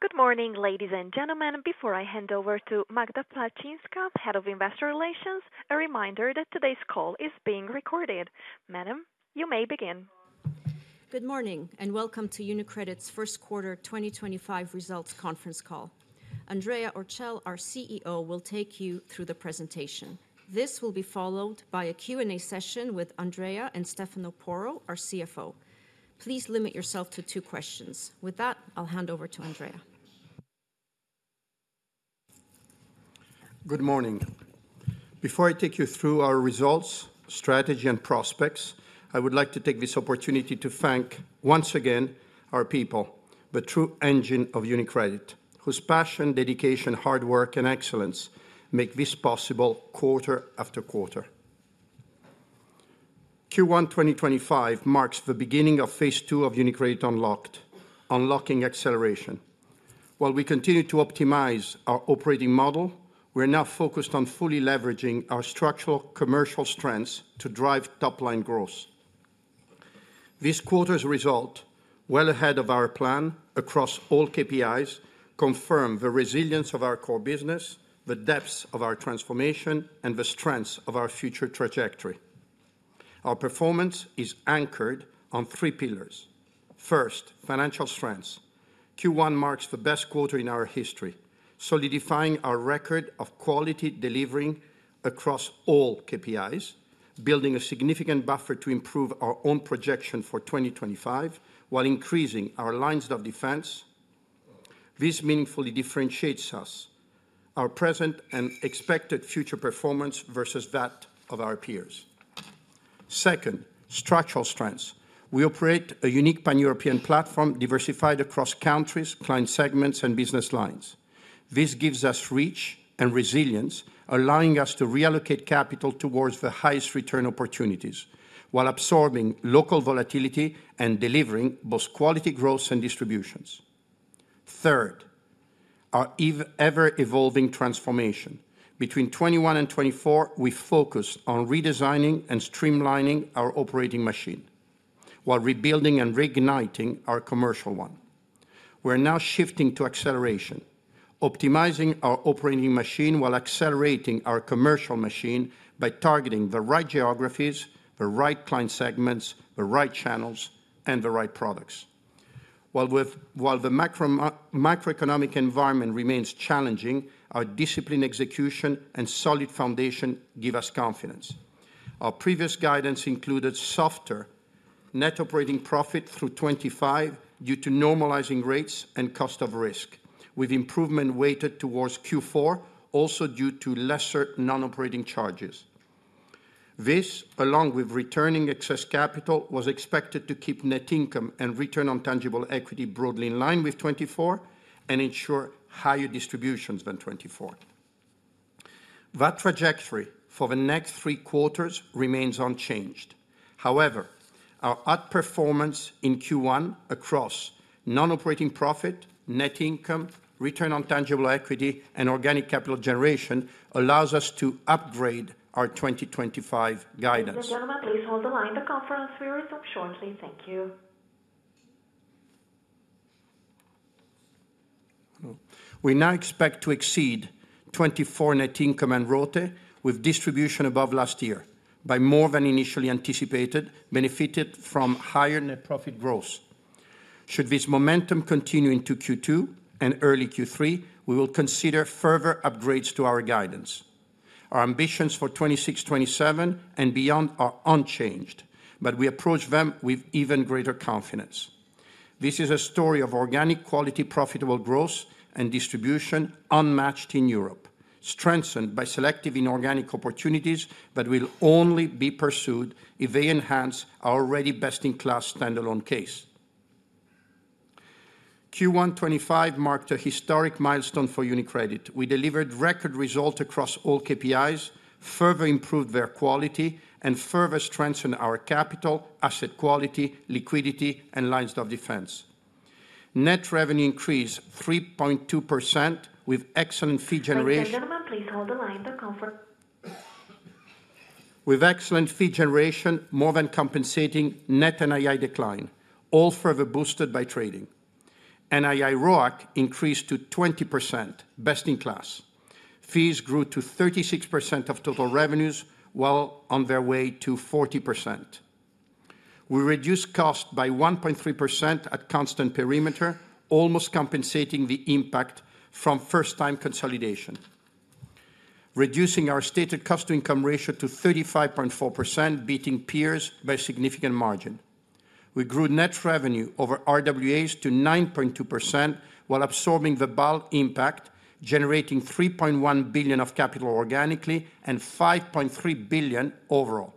Good morning, ladies and gentlemen. Before I hand over to Magda Palczynska, Head of Investor Relations, a reminder that today's call is being recorded. Madam, you may begin. Good morning, and welcome to UniCredit's First Quarter 2025 Results Conference Call. Andrea Orcel, our CEO, will take you through the presentation. This will be followed by a Q&A session with Andrea and Stefano Porro, our CFO. Please limit yourself to two questions. With that, I'll hand over to Andrea. Good morning. Before I take you through our results, strategy, and prospects, I would like to take this opportunity to thank, once again, our people, the true engine of UniCredit, whose passion, dedication, hard work, and excellence make this possible quarter after quarter. Q1 2025 marks the beginning of phase two of UniCredit Unlocked, unlocking acceleration. While we continue to optimize our operating model, we are now focused on fully leveraging our structural commercial strengths to drive top-line growth. This quarter's result, well ahead of our plan across all KPIs, confirms the resilience of our core business, the depths of our transformation, and the strengths of our future trajectory. Our performance is anchored on three pillars. First, financial strengths. Q1 marks the best quarter in our history, solidifying our record of quality delivery across all KPIs, building a significant buffer to improve our own projection for 2025 while increasing our lines of defense. This meaningfully differentiates us, our present and expected future performance versus that of our peers. Second, structural strengths. We operate a unique pan-European platform diversified across countries, client segments, and business lines. This gives us reach and resilience, allowing us to reallocate capital towards the highest return opportunities while absorbing local volatility and delivering both quality growth and distributions. Third, our ever-evolving transformation. Between 2021 and 2024, we focused on redesigning and streamlining our operating machine while rebuilding and reigniting our commercial one. We are now shifting to acceleration, optimizing our operating machine while accelerating our commercial machine by targeting the right geographies, the right client segments, the right channels, and the right products. While the macroeconomic environment remains challenging, our disciplined execution and solid foundation give us confidence. Our previous guidance included softer net operating profit through 2025 due to normalizing rates and cost of risk, with improvement weighted towards Q4, also due to lesser non-operating charges. This, along with returning excess capital, was expected to keep net income and return on tangible equity broadly in line with 2024 and ensure higher distributions than 2024. That trajectory for the next three quarters remains unchanged. However, our outperformance in Q1 across non-operating profit, net income, return on tangible equity, and organic capital generation allows us to upgrade our 2025 guidance. Gentlemen, please hold the line to conference. We resume shortly. Thank you. We now expect to exceed 2024 net income and ROTE, with distribution above last year, by more than initially anticipated, benefited from higher net profit growth. Should this momentum continue into Q2 and early Q3, we will consider further upgrades to our guidance. Our ambitions for 2026, 2027, and beyond are unchanged, but we approach them with even greater confidence. This is a story of organic quality profitable growth and distribution unmatched in Europe, strengthened by selective inorganic opportunities that will only be pursued if they enhance our already best-in-class standalone case. Q1 2025 marked a historic milestone for UniCredit. We delivered record results across all KPIs, further improved their quality, and further strengthened our capital, asset quality, liquidity, and lines of defense. Net revenue increased 3.2% with excellent fee generation. Gentlemen, please hold the line to conference. With excellent fee generation, more than compensating net NII decline, all further boosted by trading. NII ROAC increased to 20%, best in class. Fees grew to 36% of total revenues while on their way to 40%. We reduced cost by 1.3% at constant perimeter, almost compensating the impact from first-time consolidation, reducing our stated cost-to-income ratio to 35.4%, beating peers by a significant margin. We grew net revenue over RWAs to 9.2% while absorbing the bulk impact, generating 3.1 billion of capital organically and 5.3 billion overall.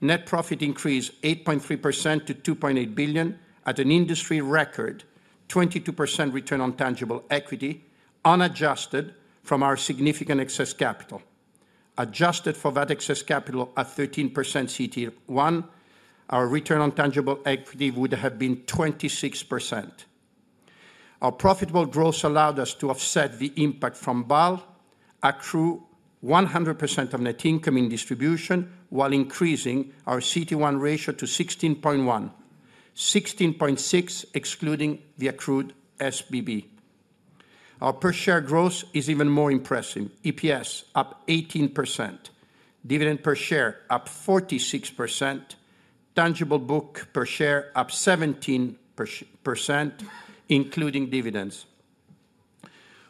Net profit increased 8.3% to 2.8 billion at an industry record 22% return on tangible equity, unadjusted from our significant excess capital. Adjusted for that excess capital at 13% CET1, our return on tangible equity would have been 26%. Our profitable growth allowed us to offset the impact from bulk, accrue 100% of net income in distribution while increasing our CET1 ratio to 16.1, 16.6 excluding the accrued SBB. Our per-share growth is even more impressive. EPS up 18%, dividend per share up 46%, tangible book per share up 17%, including dividends.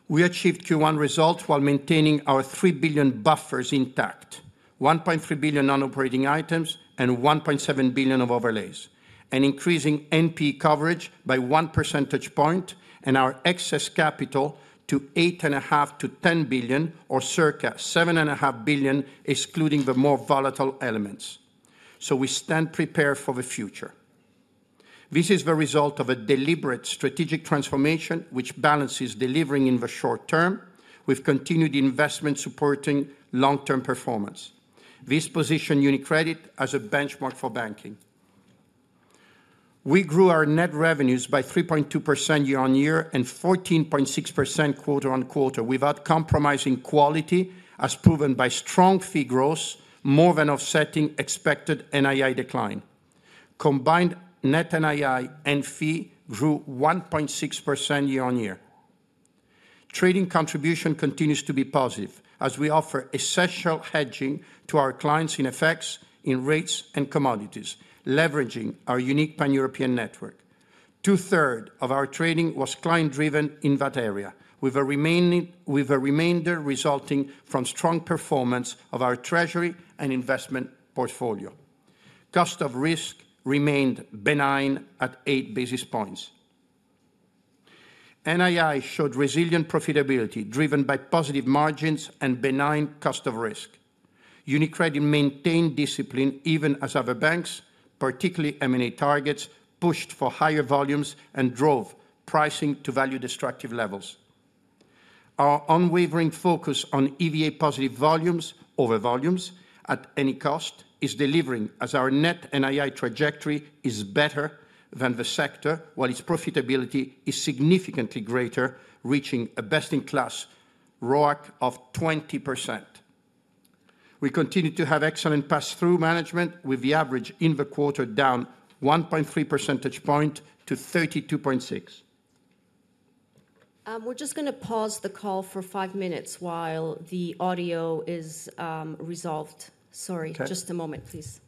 We achieved Q1 results while maintaining our 3 billion buffers intact, 1.3 billion non-operating items, and 1.7 billion of overlays, and increasing NPE coverage by one percentage point and our excess capital to 8.5 billion-10 billion, or circa 7.5 billion excluding the more volatile elements. We stand prepared for the future. This is the result of a deliberate strategic transformation, which balances delivering in the short term with continued investment supporting long-term performance. This positioned UniCredit as a benchmark for banking. We grew our net revenues by 3.2% year on year and 14.6% quarter on quarter without compromising quality, as proven by strong fee growth, more than offsetting expected NII decline. Combined net NII and fee grew 1.6% year on year. Trading contribution continues to be positive as we offer essential hedging to our clients in FX, in rates, and commodities, leveraging our unique pan-European network. Two-thirds of our trading was client-driven in that area, with a remainder resulting from strong performance of our treasury and investment portfolio. Cost of risk remained benign at eight basis points. NII showed resilient profitability driven by positive margins and benign cost of risk. UniCredit maintained discipline even as other banks, particularly M&A targets, pushed for higher volumes and drove pricing to value-destructive levels. Our unwavering focus on EVA-positive volumes over volumes at any cost is delivering as our net NII trajectory is better than the sector, while its profitability is significantly greater, reaching a best-in-class ROAC of 20%. We continue to have excellent pass-through management with the average in the quarter down 1.3 percentage points to 32.6%. We're just going to pause the call for five minutes while the audio is resolved. Sorry. Just a moment, please.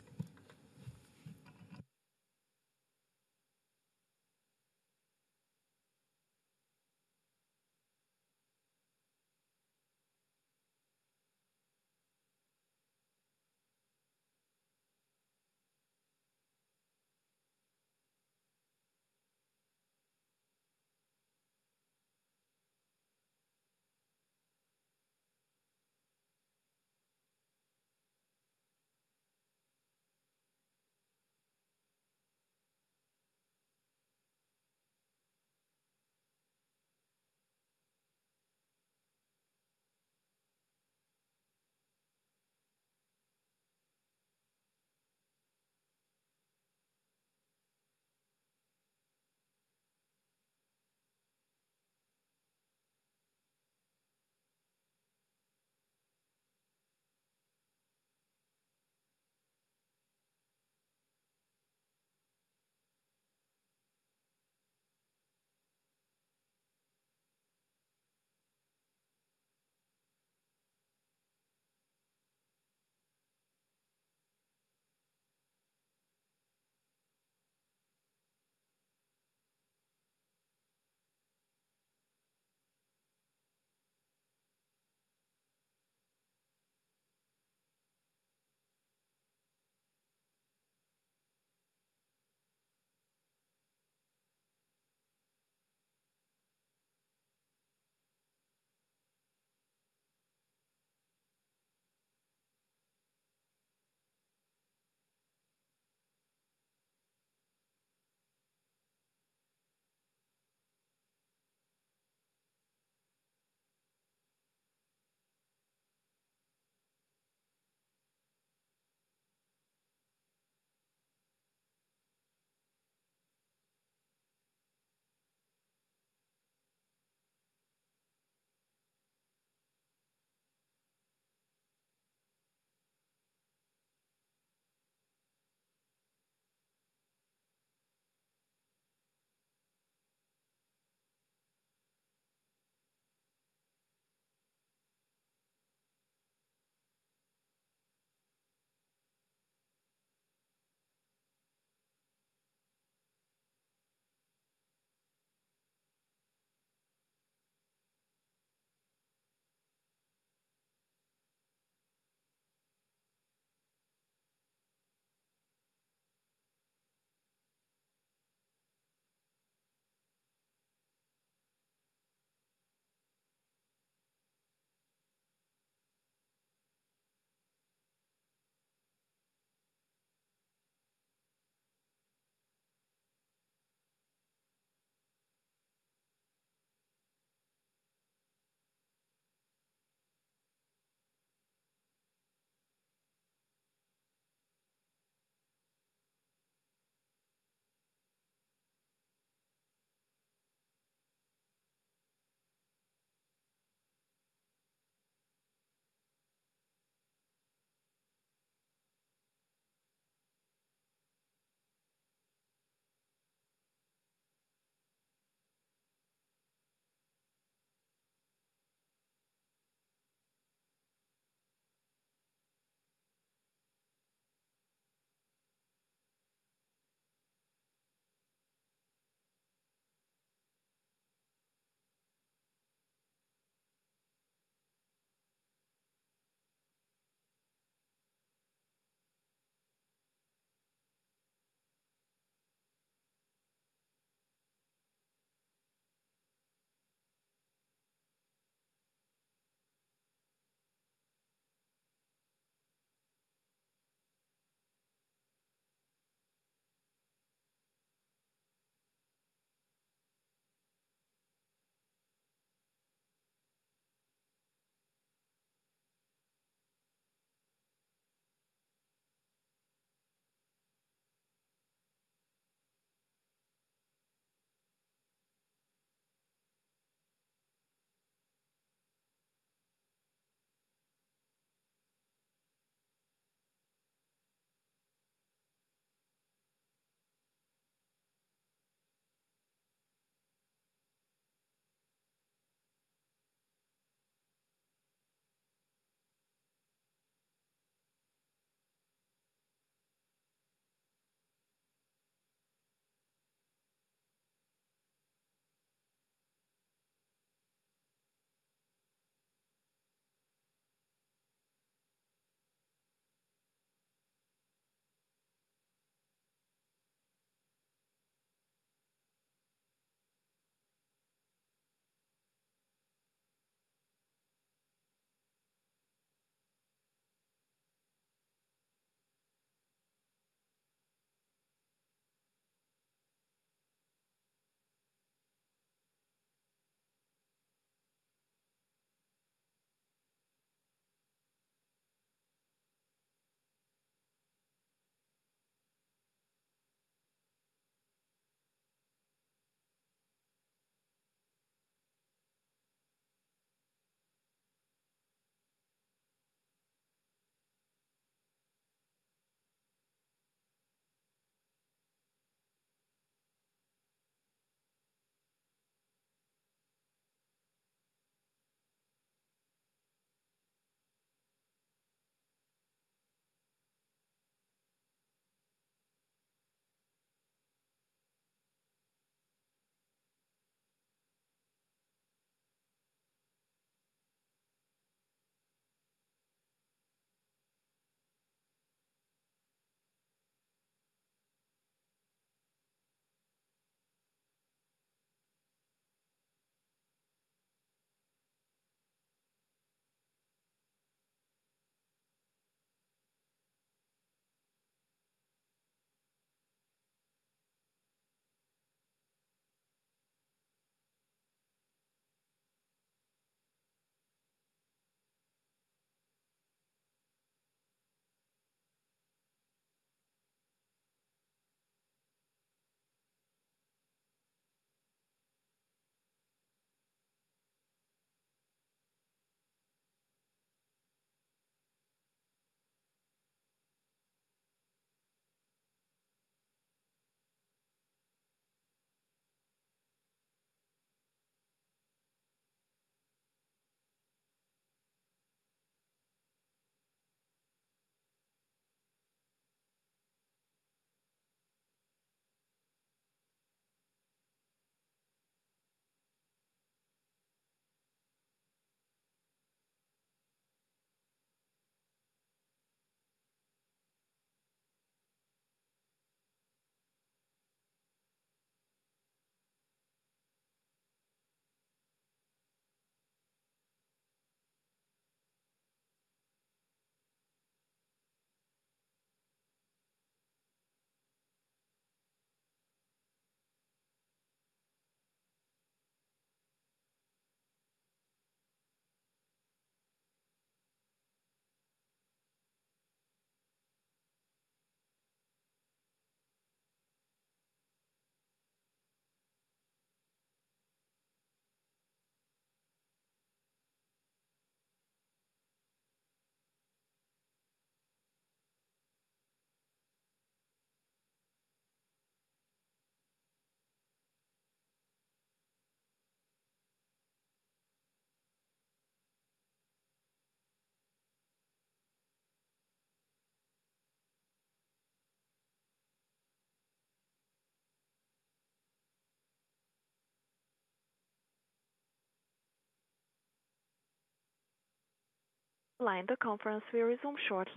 Line to conference will resume shortly.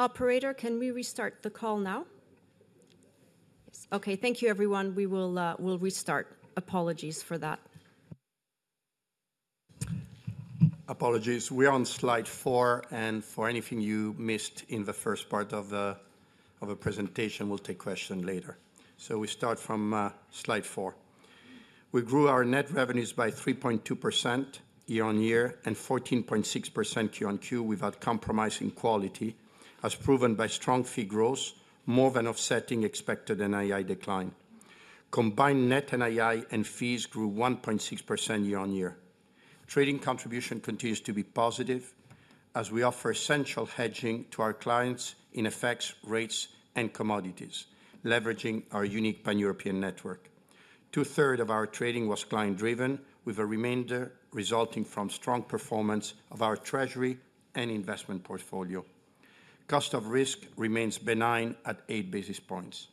Operator, can we restart the call now? Okay. Thank you, everyone. We will restart. Apologies for that. Apologies. We are on slide four, and for anything you missed in the first part of the presentation, we'll take questions later. We start from slide four. We grew our net revenues by 3.2% year on year and 14.6% Q on Q without compromising quality, as proven by strong fee growth, more than offsetting expected NII decline. Combined net NII and fees grew 1.6% year on year. Trading contribution continues to be positive as we offer essential hedging to our clients in FX, rates, and commodities, leveraging our unique pan-European network. Two-thirds of our trading was client-driven, with the remainder resulting from strong performance of our treasury and investment portfolio. Cost of risk remains benign at eight basis points.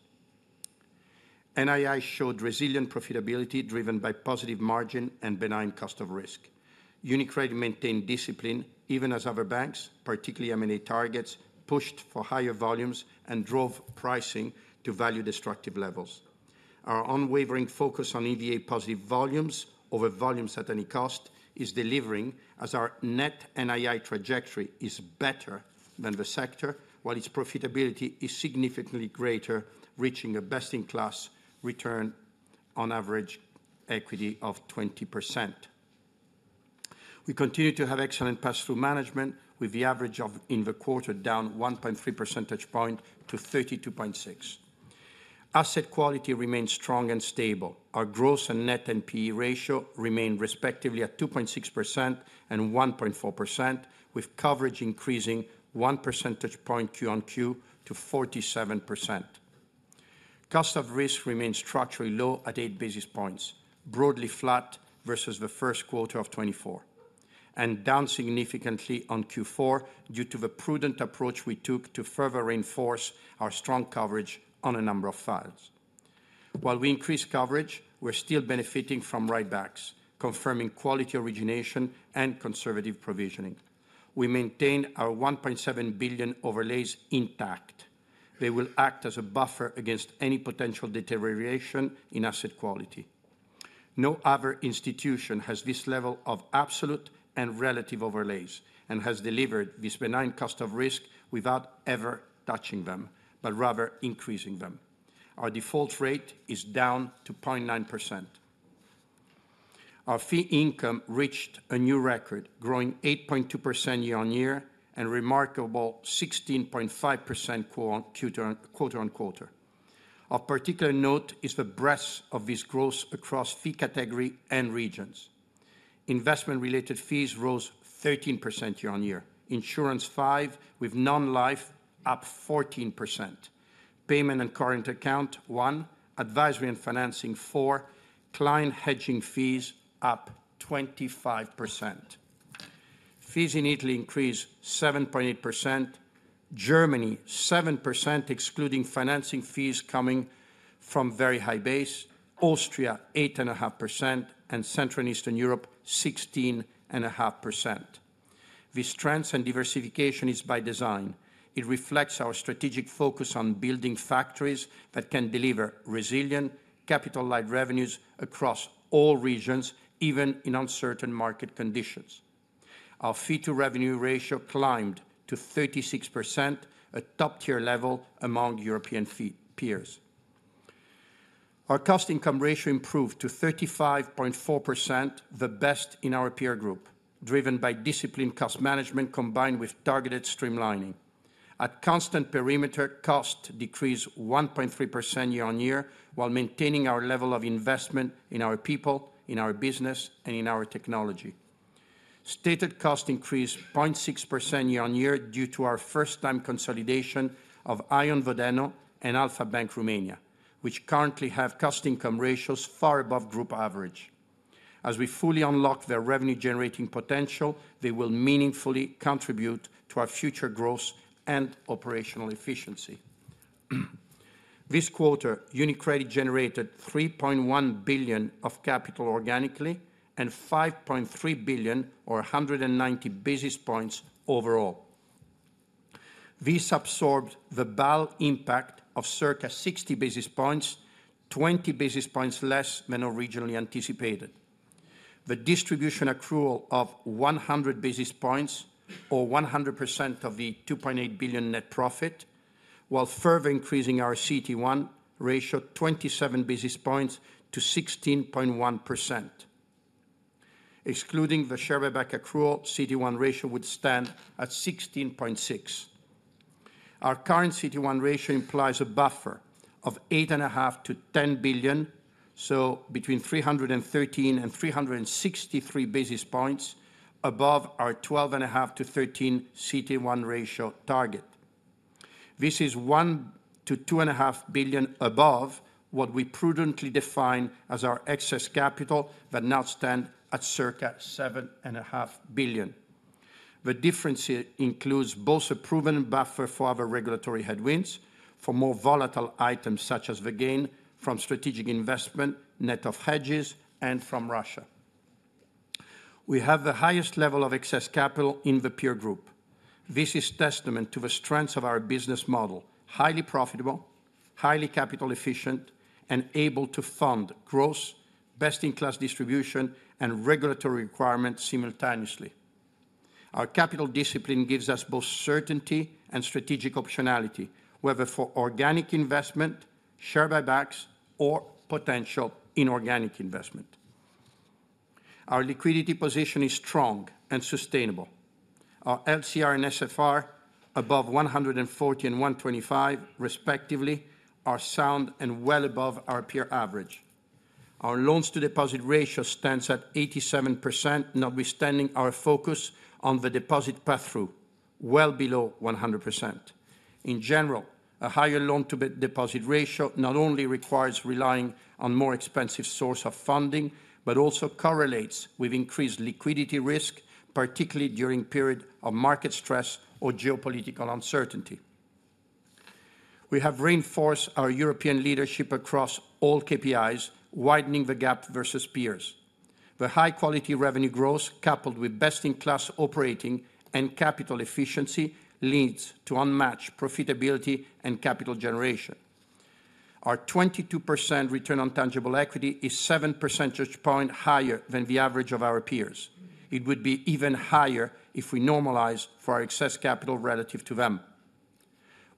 NII showed resilient profitability driven by positive margin and benign cost of risk. UniCredit maintained discipline even as other banks, particularly M&A targets, pushed for higher volumes and drove pricing to value-destructive levels. Our unwavering focus on EVA-positive volumes over volumes at any cost is delivering as our net NII trajectory is better than the sector, while its profitability is significantly greater, reaching a best-in-class return on average equity of 20%. We continue to have excellent pass-through management with the average in the quarter down 1.3 percentage points to 32.6%. Asset quality remains strong and stable. Our gross and net NPE ratio remain respectively at 2.6% and 1.4%, with coverage increasing one percentage point Q on Q to 47%. Cost of risk remains structurally low at eight basis points, broadly flat versus the first quarter of 2024, and down significantly on Q4 due to the prudent approach we took to further reinforce our strong coverage on a number of files. While we increase coverage, we're still benefiting from right-backs, confirming quality origination and conservative provisioning. We maintain our 1.7 billion overlays intact. They will act as a buffer against any potential deterioration in asset quality. No other institution has this level of absolute and relative overlays and has delivered this benign cost of risk without ever touching them, but rather increasing them. Our default rate is down to 0.9%. Our fee income reached a new record, growing 8.2% year on year and a remarkable 16.5% quarter on quarter. Of particular note is the breadth of this growth across fee category and regions. Investment-related fees rose 13% year on year. Insurance five, with non-life, up 14%. Payment and current account one, advisory and financing four, client hedging fees up 25%. Fees in Italy increased 7.8%, Germany 7%, excluding financing fees coming from very high base, Austria 8.5%, and Central and Eastern Europe 16.5%. This strength and diversification is by design. It reflects our strategic focus on building factories that can deliver resilient, capital-like revenues across all regions, even in uncertain market conditions. Our fee-to-revenue ratio climbed to 36%, a top-tier level among European peers. Our cost-to-income ratio improved to 35.4%, the best in our peer group, driven by disciplined cost management combined with targeted streamlining. At constant perimeter, cost decreased 1.3% year on year while maintaining our level of investment in our people, in our business, and in our technology. Stated cost increased 0.6% year on year due to our first-time consolidation of Aion Vodeno and Alpha Bank Romania, which currently have cost-to-income ratios far above group average. As we fully unlock their revenue-generating potential, they will meaningfully contribute to our future growth and operational efficiency. This quarter, UniCredit generated 3.1 billion of capital organically and 5.3 billion, or 190 basis points, overall. This absorbed the ball impact of circa 60 basis points, 20 basis points less than originally anticipated. The distribution accrual of 100 basis points, or 100% of the 2.8 billion net profit, while further increasing our CET1 ratio 27 basis points to 16.1%. Excluding the share buyback accrual, CET1 ratio would stand at 16.6. Our current CET1 ratio implies a buffer of 8.5 billion to 10 billion, so between 313 and 363 basis points above our 12.5-13 CET1 ratio target. This is 1 billion to 2.5 billion above what we prudently define as our excess capital that now stands at circa 7.5 billion. The difference includes both a proven buffer for other regulatory headwinds, for more volatile items such as the gain from strategic investment, net of hedges, and from Russia. We have the highest level of excess capital in the peer group. This is testament to the strength of our business model: highly profitable, highly capital-efficient, and able to fund growth, best-in-class distribution, and regulatory requirements simultaneously. Our capital discipline gives us both certainty and strategic optionality, whether for organic investment, share buybacks, or potential inorganic investment. Our liquidity position is strong and sustainable. Our LCR and NSFR above 140 and 125, respectively, are sound and well above our peer average. Our loans-to-deposits ratio stands at 87%, notwithstanding our focus on the deposit pass-through, well below 100%. In general, a higher loan-to-deposit ratio not only requires relying on a more expensive source of funding, but also correlates with increased liquidity risk, particularly during periods of market stress or geopolitical uncertainty. We have reinforced our European leadership across all KPIs, widening the gap versus peers. The high-quality revenue growth, coupled with best-in-class operating and capital efficiency, leads to unmatched profitability and capital generation. Our 22% return on tangible equity is 7 percentage points higher than the average of our peers. It would be even higher if we normalize for our excess capital relative to them.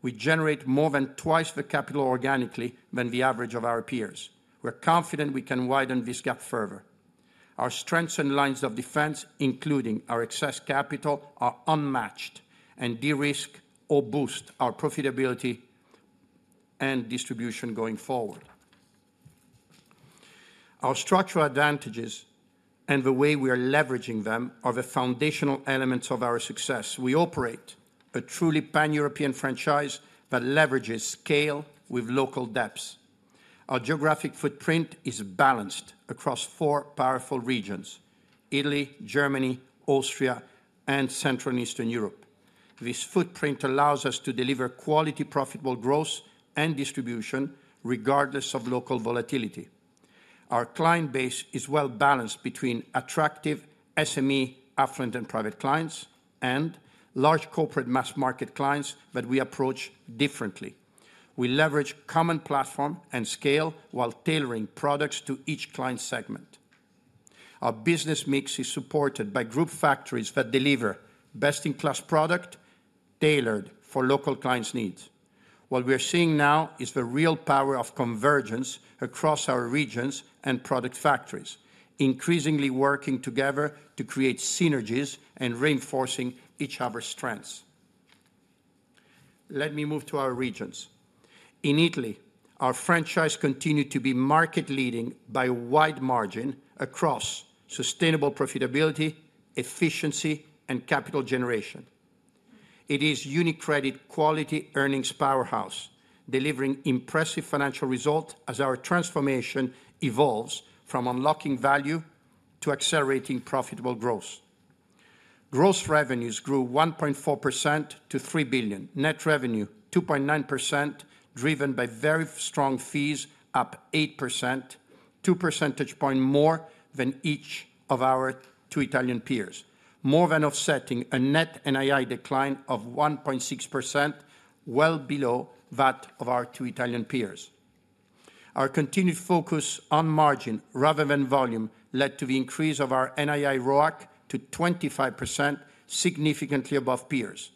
We generate more than twice the capital organically than the average of our peers. We're confident we can widen this gap further. Our strengths and lines of defense, including our excess capital, are unmatched and de-risk or boost our profitability and distribution going forward. Our structural advantages and the way we are leveraging them are the foundational elements of our success. We operate a truly pan-European franchise that leverages scale with local depths. Our geographic footprint is balanced across four powerful regions: Italy, Germany, Austria, and Central and Eastern Europe. This footprint allows us to deliver quality profitable growth and distribution regardless of local volatility. Our client base is well balanced between attractive SME, affluent, and private clients and large corporate mass-market clients that we approach differently. We leverage common platform and scale while tailoring products to each client segment. Our business mix is supported by group factories that deliver best-in-class product tailored for local clients' needs. What we are seeing now is the real power of convergence across our regions and product factories, increasingly working together to create synergies and reinforcing each other's strengths. Let me move to our regions. In Italy, our franchise continued to be market-leading by wide margin across sustainable profitability, efficiency, and capital generation. It is UniCredit's quality earnings powerhouse, delivering impressive financial results as our transformation evolves from unlocking value to accelerating profitable growth. Gross revenues grew 1.4% to 3 billion. Net revenue 2.9%, driven by very strong fees, up 8%, 2 percentage points more than each of our two Italian peers, more than offsetting a net NII decline of 1.6%, well below that of our two Italian peers. Our continued focus on margin rather than volume led to the increase of our NII ROAC to 25%, significantly above peers.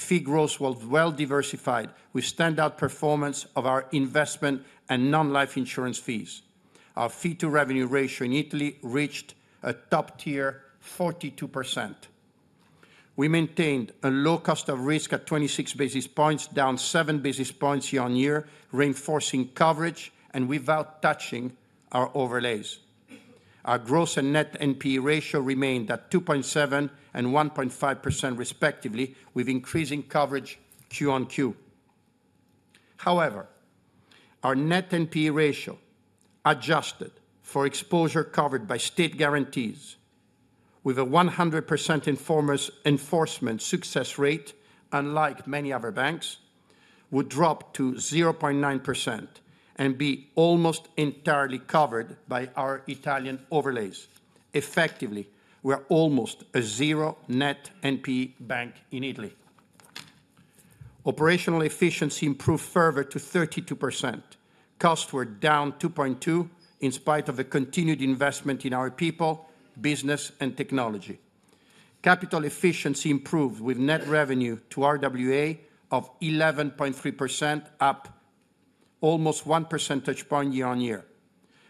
Fee growth was well-diversified with standout performance of our investment and non-life insurance fees. Our fee-to-revenue ratio in Italy reached a top-tier 42%. We maintained a low cost of risk at 26 basis points, down 7 basis points year on year, reinforcing coverage and without touching our overlays. Our gross and net NPE ratio remained at 2.7% and 1.5%, respectively, with increasing coverage Q on Q. However, our net NPE ratio, adjusted for exposure covered by state guarantees, with a 100% enforcement success rate, unlike many other banks, would drop to 0.9% and be almost entirely covered by our Italian overlays. Effectively, we're almost a zero net NPE bank in Italy. Operational efficiency improved further to 32%. Costs were down 2.2% in spite of the continued investment in our people, business, and technology. Capital efficiency improved with net revenue to RWA of 11.3%, up almost 1 percentage point year on year.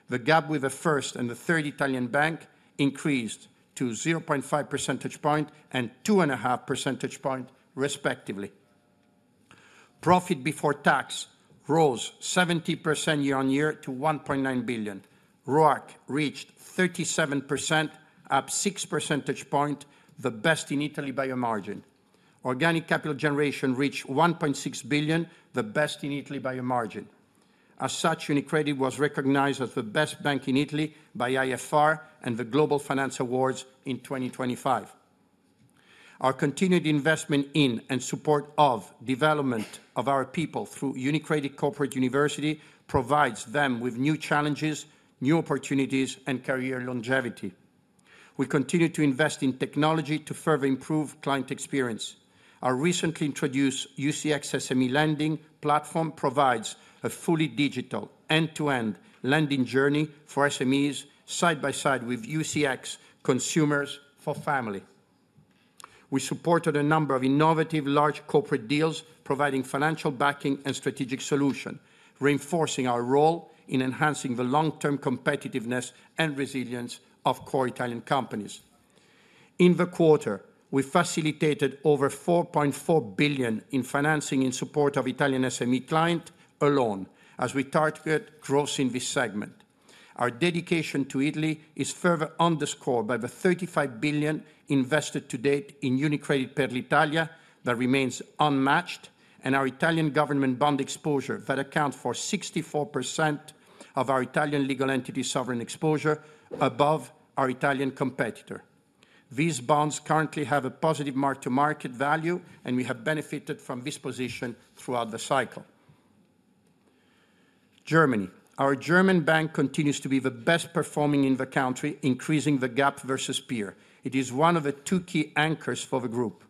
The gap with the first and the third Italian bank increased to 0.5 percentage point and 2.5 percentage points, respectively. Profit before tax rose 70% year on year to 1.9 billion. ROAC reached 37%, up 6 percentage points, the best in Italy by a margin. Organic capital generation reached 1.6 billion, the best in Italy by a margin. As such, UniCredit was recognized as the best bank in Italy by IFR and the Global Finance Awards in 2025. Our continued investment in and support of development of our people through UniCredit Corporate University provides them with new challenges, new opportunities, and career longevity. We continue to invest in technology to further improve client experience. Our recently introduced UCX SME lending platform provides a fully digital end-to-end lending journey for SMEs, side by side with UCX consumers for family. We supported a number of innovative large corporate deals, providing financial backing and strategic solution, reinforcing our role in enhancing the long-term competitiveness and resilience of core Italian companies. In the quarter, we facilitated over 4.4 billion in financing in support of Italian SME clients alone, as we targeted growth in this segment. Our dedication to Italy is further underscored by the 35 billion invested to date in UniCredit Per l'Italia that remains unmatched, and our Italian government bond exposure that accounts for 64% of our Italian legal entity sovereign exposure, above our Italian competitor. These bonds currently have a positive mark-to-market value, and we have benefited from this position throughout the cycle. Germany. Our German bank continues to be the best performing in the country, increasing the gap versus peer. It is one of the two key anchors for the group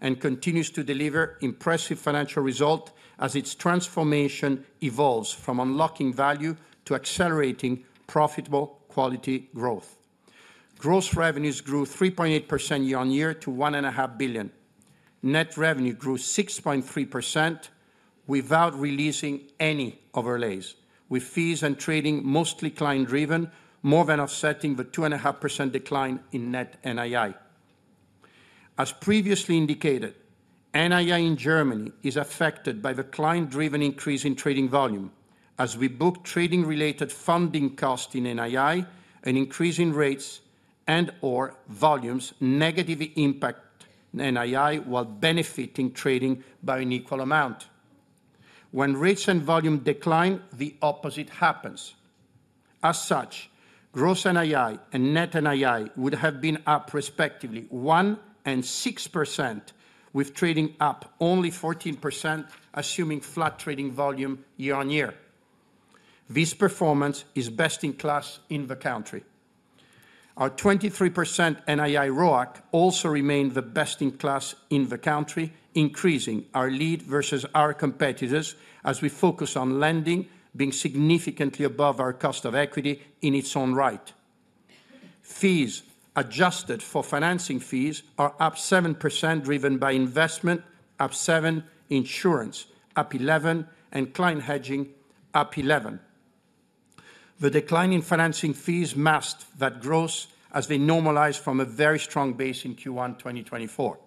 and continues to deliver impressive financial results as its transformation evolves from unlocking value to accelerating profitable quality growth. Gross revenues grew 3.8% year on year to 1.5 billion. Net revenue grew 6.3% without releasing any overlays, with fees and trading mostly client-driven, more than offsetting the 2.5% decline in net NII. As previously indicated, NII in Germany is affected by the client-driven increase in trading volume, as we book trading-related funding costs in NII, an increase in rates and/or volumes negatively impact NII while benefiting trading by an equal amount. When rates and volume decline, the opposite happens. As such, gross NII and net NII would have been up, respectively, 1% and 6%, with trading up only 14%, assuming flat trading volume year on year. This performance is best-in-class in the country. Our 23% NII RoAC also remained the best-in-class in the country, increasing our lead versus our competitors as we focus on lending being significantly above our cost of equity in its own right. Fees, adjusted for financing fees, are up 7%, driven by investment, up 7%, insurance, up 11%, and client hedging, up 11%. The decline in financing fees masked that growth as they normalized from a very strong base in Q1 2024.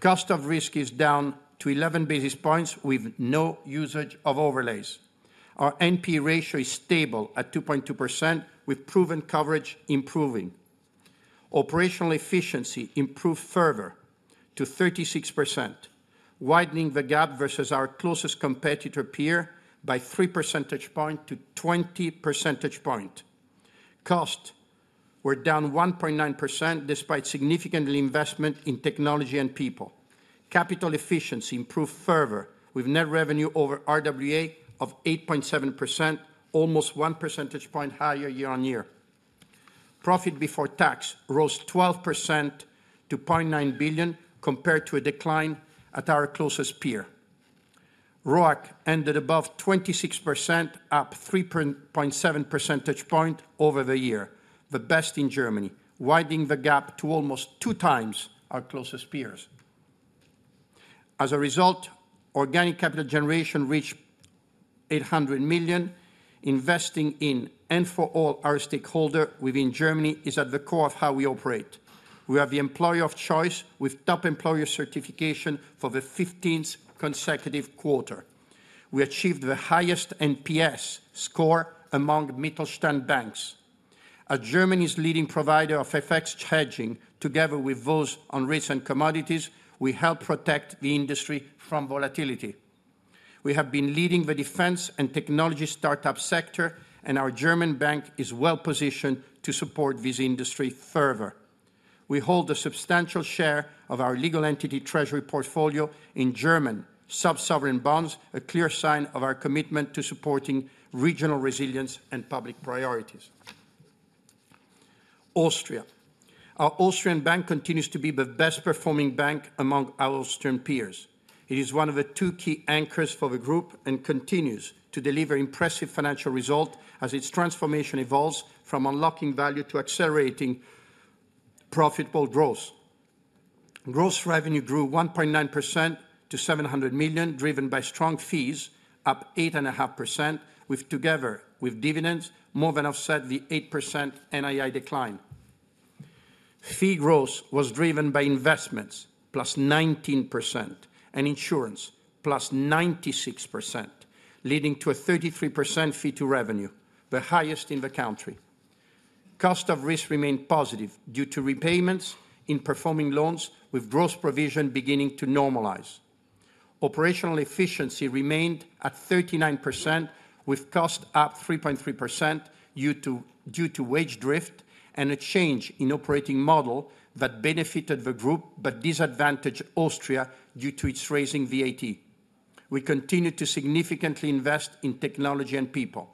Cost of risk is down to 11 basis points with no usage of overlays. Our NPE ratio is stable at 2.2%, with proven coverage improving. Operational efficiency improved further to 36%, widening the gap versus our closest competitor peer by 3 percentage points to 20 percentage points. Costs were down 1.9% despite significant investment in technology and people. Capital efficiency improved further with net revenue over RWA of 8.7%, almost 1 percentage point higher year on year. Profit before tax rose 12% to 0.9 billion, compared to a decline at our closest peer. RoAC ended above 26%, up 3.7 percentage points over the year, the best in Germany, widening the gap to almost two times our closest peers. As a result, organic capital generation reached 800 million. Investing in and for all our stakeholders within Germany is at the core of how we operate. We are the employer of choice with top employer certification for the 15th consecutive quarter. We achieved the highest NPS score among Mittelstand banks. As Germany's leading provider of FX hedging, together with those on rates and commodities, we help protect the industry from volatility. We have been leading the defense and technology startup sector, and our German bank is well positioned to support this industry further. We hold a substantial share of our legal entity treasury portfolio in German sub-sovereign bonds, a clear sign of our commitment to supporting regional resilience and public priorities. Austria. Our Austrian bank continues to be the best-performing bank among our Austrian peers. It is one of the two key anchors for the group and continues to deliver impressive financial results as its transformation evolves from unlocking value to accelerating profitable growth. Gross revenue grew 1.9% to 700 million, driven by strong fees, up 8.5%, together with dividends, more than offsetting the 8% NII decline. Fee growth was driven by investments, plus 19%, and insurance, plus 96%, leading to a 33% fee-to-revenue, the highest in the country. Cost of risk remained positive due to repayments in performing loans, with gross provision beginning to normalize. Operational efficiency remained at 39%, with costs up 3.3% due to wage drift and a change in operating model that benefited the group but disadvantaged Austria due to its raising VAT. We continue to significantly invest in technology and people.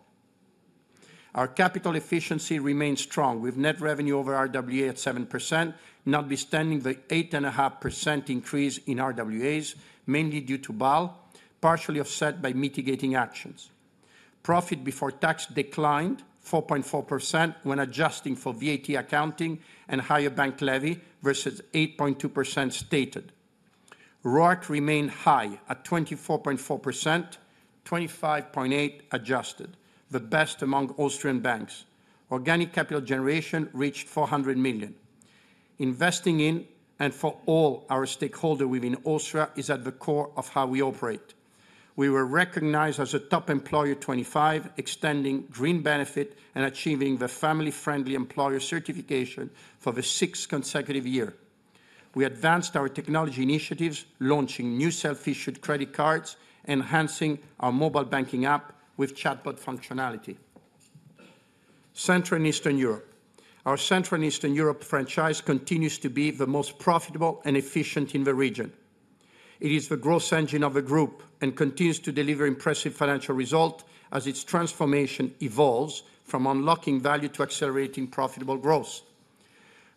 Our capital efficiency remained strong, with net revenue over RWA at 7%, notwithstanding the 8.5% increase in RWAs, mainly due to BaL, partially offset by mitigating actions. Profit before tax declined 4.4% when adjusting for VAT accounting and higher bank levy versus 8.2% stated. RoAC remained high at 24.4%, 25.8% adjusted, the best among Austrian banks. Organic capital generation reached 400 million. Investing in and for all our stakeholders within Austria is at the core of how we operate. We were recognized as a top employer 2025, extending green benefit and achieving the family-friendly employer certification for the sixth consecutive year. We advanced our technology initiatives, launching new self-issued credit cards, enhancing our mobile banking app with chatbot functionality. Central and Eastern Europe. Our Central and Eastern Europe franchise continues to be the most profitable and efficient in the region. It is the growth engine of the group and continues to deliver impressive financial results as its transformation evolves from unlocking value to accelerating profitable growth.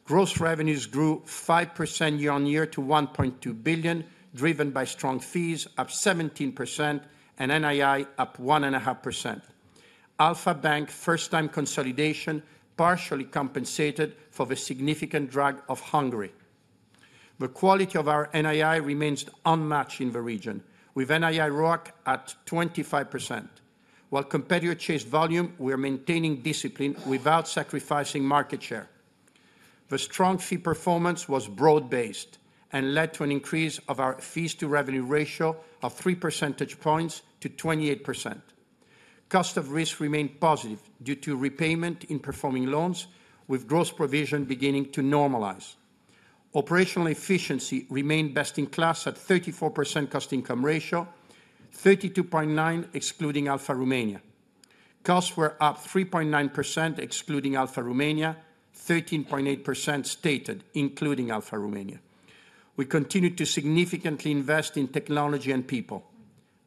Gross revenues grew 5% year on year to 1.2 billion, driven by strong fees, up 17%, and NII up 1.5%. Alpha Bank first-time consolidation partially compensated for the significant drag of Hungary. The quality of our NII remains unmatched in the region, with NII RoAC at 25%. While competitors chased volume, we are maintaining discipline without sacrificing market share. The strong fee performance was broad-based and led to an increase of our fees-to-revenue ratio of 3 percentage points to 28%. Cost of risk remained positive due to repayment in performing loans, with gross provision beginning to normalize. Operational efficiency remained best-in-class at 34% cost-to-income ratio, 32.9% excluding Alpha Bank Romania. Costs were up 3.9% excluding Alpha Bank Romania, 13.8% stated, including Alpha Bank Romania. We continue to significantly invest in technology and people.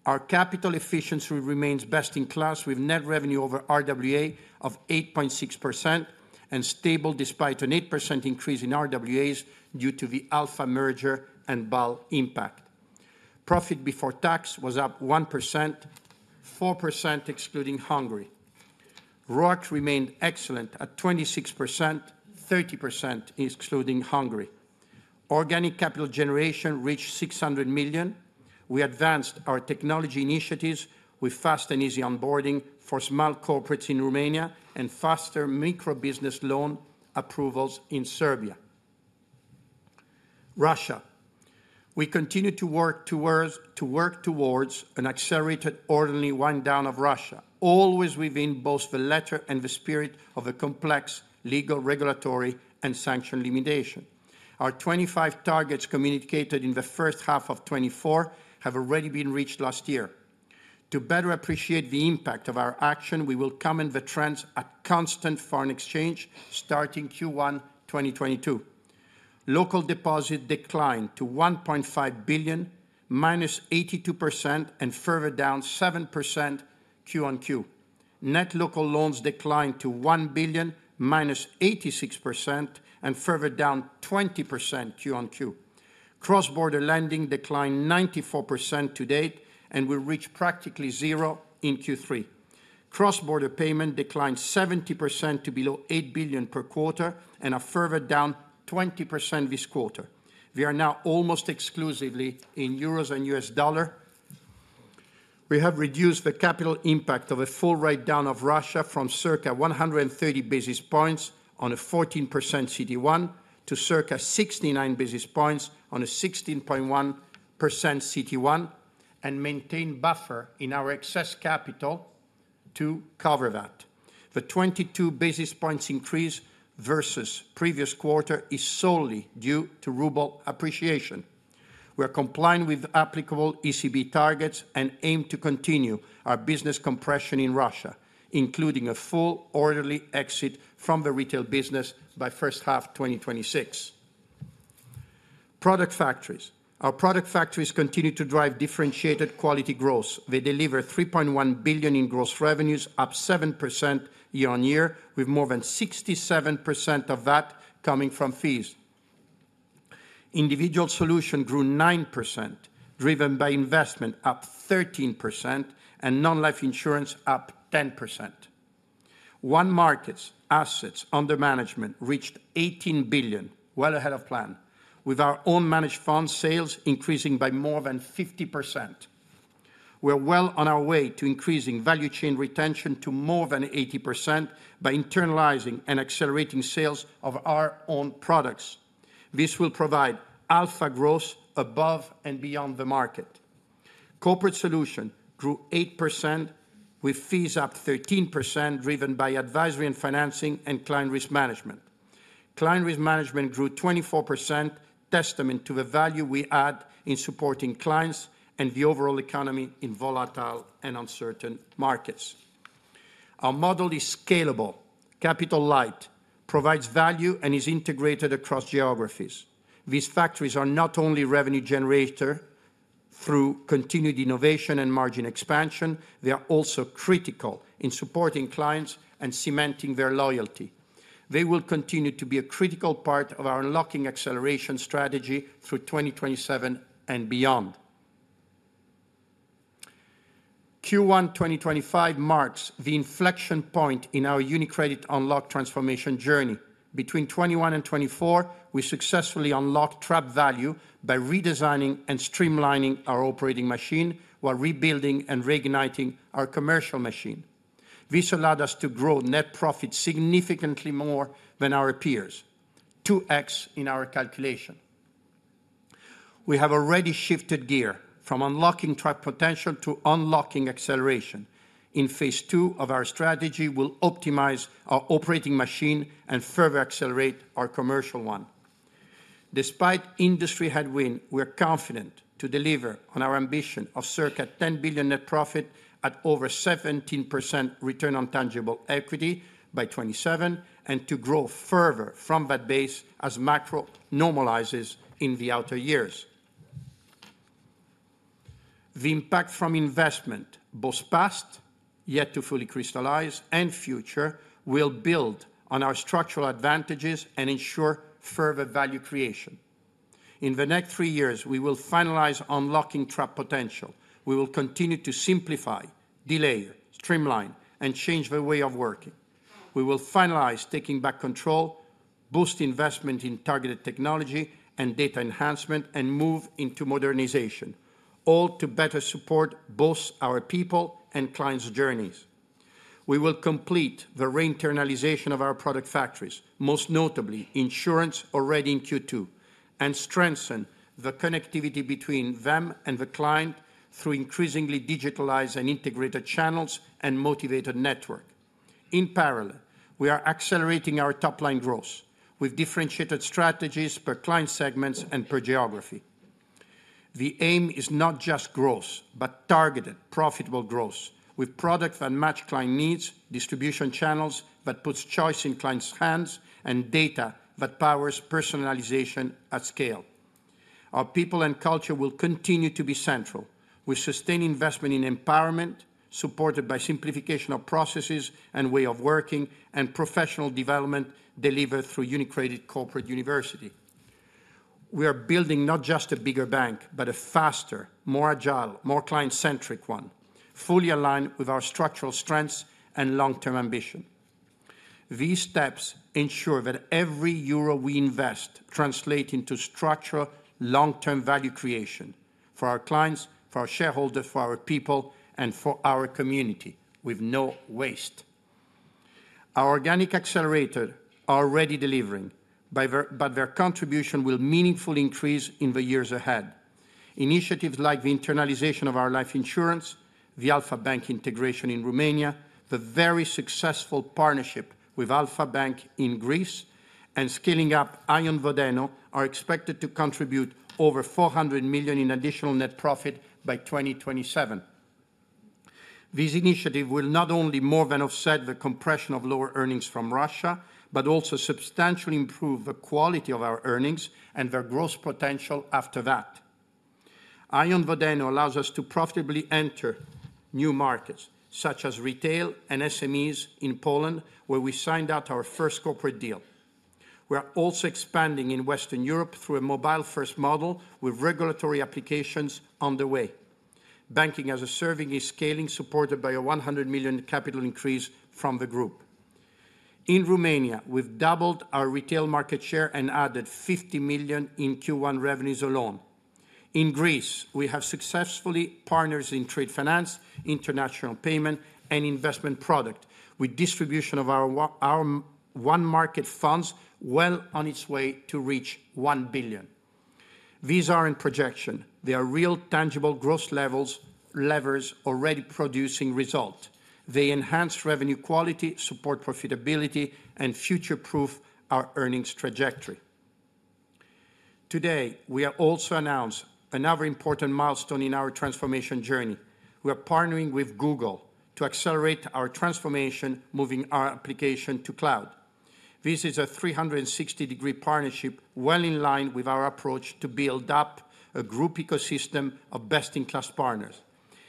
Our capital efficiency remains best-in-class, with net revenue over RWA of 8.6% and stable despite an 8% increase in RWAs due to the Alpha merger and BaL impact. Profit before tax was up 1%, 4% excluding Hungary. RoAC remained excellent at 26%, 30% excluding Hungary. Organic capital generation reached 600 million. We advanced our technology initiatives with fast and easy onboarding for small corporates in Romania and faster microbusiness loan approvals in Serbia. Russia. We continue to work towards an accelerated orderly wind-down of Russia, always within both the letter and the spirit of a complex legal, regulatory, and sanction limitation. Our 2025 targets communicated in the first half of 2024 have already been reached last year. To better appreciate the impact of our action, we will comment on the trends at constant foreign exchange starting Q1 2022. Local deposits declined to 1.5 billion, minus 82%, and further down 7% Q on Q. Net local loans declined to 1 billion, minus 86%, and further down 20% Q on Q. Cross-border lending declined 94% to date and will reach practically zero in Q3. Cross-border payment declined 70% to below 8 billion per quarter and further down 20% this quarter. We are now almost exclusively in euros and US dollars. We have reduced the capital impact of a full write-down of Russia from circa 130 basis points on a 14% CET1 to circa 69 basis points on a 16.1% CET1 and maintained buffer in our excess capital to cover that. The 22 basis points increase versus previous quarter is solely due to ruble appreciation. We are complying with applicable ECB targets and aim to continue our business compression in Russia, including a full orderly exit from the retail business by first half 2026. Our product factories continue to drive differentiated quality growth. They deliver 3.1 billion in gross revenues, up 7% year on year, with more than 67% of that coming from fees. Individual solutions grew 9%, driven by investment, up 13%, and non-life insurance up 10%. One market's assets under management reached 18 billion, well ahead of plan, with our own managed funds sales increasing by more than 50%. We are well on our way to increasing value chain retention to more than 80% by internalizing and accelerating sales of our own products. This will provide Alpha growth above and beyond the market. Corporate solutions grew 8%, with fees up 13%, driven by advisory and financing and client risk management. Client risk management grew 24%, testament to the value we add in supporting clients and the overall economy in volatile and uncertain markets. Our model is scalable, capital-light, provides value, and is integrated across geographies. These factories are not only revenue generators through continued innovation and margin expansion, they are also critical in supporting clients and cementing their loyalty. They will continue to be a critical part of our unlocking acceleration strategy through 2027 and beyond. Q1 2025 marks the inflection point in our UniCredit Unlocked transformation journey. Between 2021 and 2024, we successfully unlocked trap value by redesigning and streamlining our operating machine while rebuilding and reigniting our commercial machine. This allowed us to grow net profit significantly more than our peers, 2x in our calculation. We have already shifted gear from unlocking trap potential to unlocking acceleration. In phase two of our strategy, we'll optimize our operating machine and further accelerate our commercial one. Despite industry headwinds, we are confident to deliver on our ambition of circa 10 billion net profit at over 17% return on tangible equity by 2027 and to grow further from that base as macro normalizes in the outer years. The impact from investment, both past, yet to fully crystallize, and future, will build on our structural advantages and ensure further value creation. In the next three years, we will finalize unlocking trap potential. We will continue to simplify, delay, streamline, and change the way of working. We will finalize taking back control, boost investment in targeted technology and data enhancement, and move into modernization, all to better support both our people and clients' journeys. We will complete the re-internalization of our product factories, most notably insurance, already in Q2, and strengthen the connectivity between them and the client through increasingly digitalized and integrated channels and motivated network. In parallel, we are accelerating our top-line growth with differentiated strategies per client segments and per geography. The aim is not just growth, but targeted, profitable growth with products that match client needs, distribution channels that put choice in clients' hands, and data that powers personalization at scale. Our people and culture will continue to be central. We sustain investment in empowerment, supported by simplification of processes and way of working, and professional development delivered through UniCredit Corporate University. We are building not just a bigger bank, but a faster, more agile, more client-centric one, fully aligned with our structural strengths and long-term ambition. These steps ensure that every euro we invest translates into structural, long-term value creation for our clients, for our shareholders, for our people, and for our community with no waste. Our organic accelerators are already delivering, but their contribution will meaningfully increase in the years ahead. Initiatives like the internalization of our life insurance, the Alpha Bank integration in Romania, the very successful partnership with Alpha Bank in Greece, and scaling up Ion Vodeno are expected to contribute over 400 million in additional net profit by 2027. These initiatives will not only more than offset the compression of lower earnings from Russia, but also substantially improve the quality of our earnings and their growth potential after that. Ion Vodeno allows us to profitably enter new markets such as retail and SMEs in Poland, where we signed out our first corporate deal. We are also expanding in Western Europe through a mobile-first model with regulatory applications on the way. Banking as a Service is scaling, supported by a 100 million capital increase from the group. In Romania, we've doubled our retail market share and added 50 million in Q1 revenues alone. In Greece, we have successfully partnered in trade finance, international payment, and investment product with distribution of our one-market funds well on its way to reach 1 billion. These are in projection. They are real, tangible growth levers already producing results. They enhance revenue quality, support profitability, and future-proof our earnings trajectory. Today, we have also announced another important milestone in our transformation journey. We are partnering with Google Cloud to accelerate our transformation, moving our application to cloud. This is a 360-degree partnership well in line with our approach to build up a group ecosystem of best-in-class partners.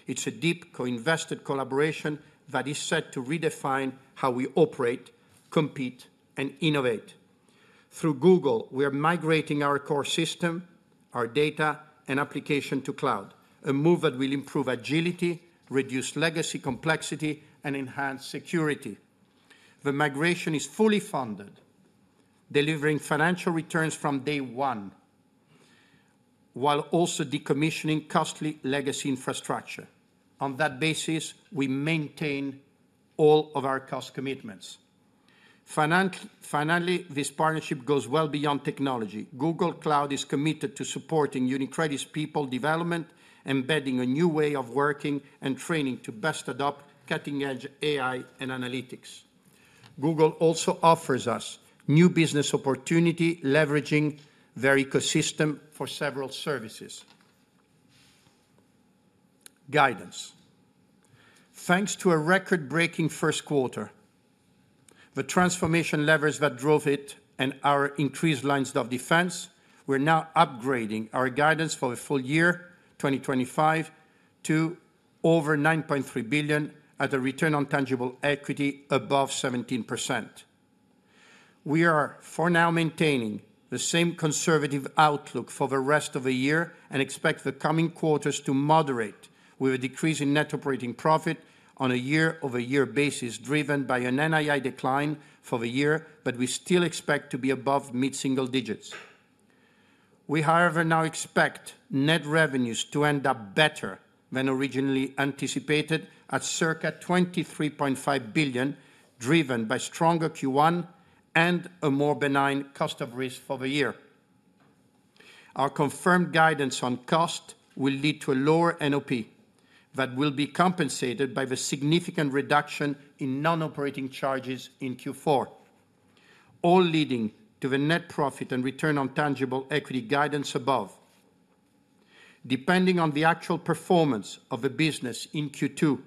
It's a deep, co-invested collaboration that is set to redefine how we operate, compete, and innovate. Through Google, we are migrating our core system, our data, and application to cloud, a move that will improve agility, reduce legacy complexity, and enhance security. The migration is fully funded, delivering financial returns from day one while also decommissioning costly legacy infrastructure. On that basis, we maintain all of our cost commitments. Finally, this partnership goes well beyond technology. Google Cloud is committed to supporting UniCredit's people development, embedding a new way of working and training to best adopt cutting-edge AI and analytics. Google also offers us new business opportunities, leveraging their ecosystem for several services. Guidance. Thanks to a record-breaking first quarter, the transformation levers that drove it and our increased lines of defense, we're now upgrading our guidance for the full year 2025 to over 9.3 billion at a return on tangible equity above 17%. We are for now maintaining the same conservative outlook for the rest of the year and expect the coming quarters to moderate with a decrease in net operating profit on a year-over-year basis, driven by an NII decline for the year, but we still expect to be above mid-single digits. We, however, now expect net revenues to end up better than originally anticipated at circa 23.5 billion, driven by stronger Q1 and a more benign cost of risk for the year. Our confirmed guidance on cost will lead to a lower NOP that will be compensated by the significant reduction in non-operating charges in Q4, all leading to the net profit and return on tangible equity guidance above. Depending on the actual performance of the business in Q2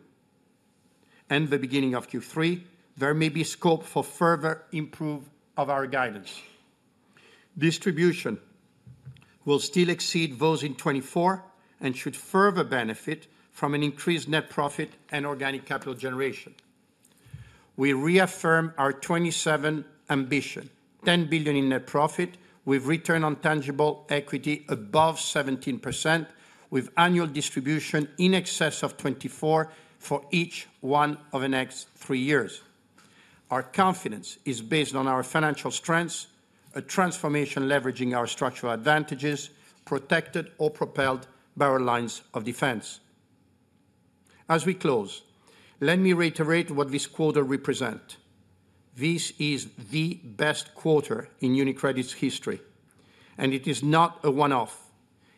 and the beginning of Q3, there may be scope for further improvement of our guidance. Distribution will still exceed those in 2024 and should further benefit from an increased net profit and organic capital generation. We reaffirm our 2027 ambition, 10 billion in net profit with return on tangible equity above 17%, with annual distribution in excess of 2024 for each one of the next three years. Our confidence is based on our financial strengths, a transformation leveraging our structural advantages, protected or propelled by our lines of defense. As we close, let me reiterate what this quarter represents. This is the best quarter in UniCredit's history, and it is not a one-off.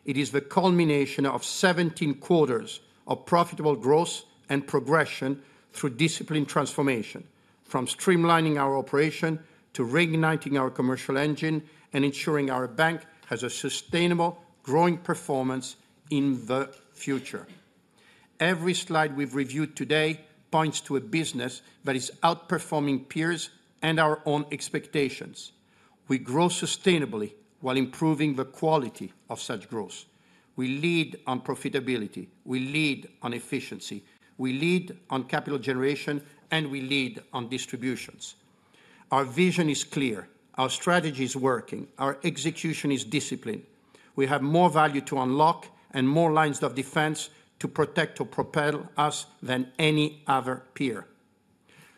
It is the culmination of 17 quarters of profitable growth and progression through disciplined transformation, from streamlining our operation to reigniting our commercial engine and ensuring our bank has a sustainable, growing performance in the future. Every slide we have reviewed today points to a business that is outperforming peers and our own expectations. We grow sustainably while improving the quality of such growth. We lead on profitability. We lead on efficiency. We lead on capital generation, and we lead on distributions. Our vision is clear. Our strategy is working. Our execution is disciplined. We have more value to unlock and more lines of defense to protect or propel us than any other peer.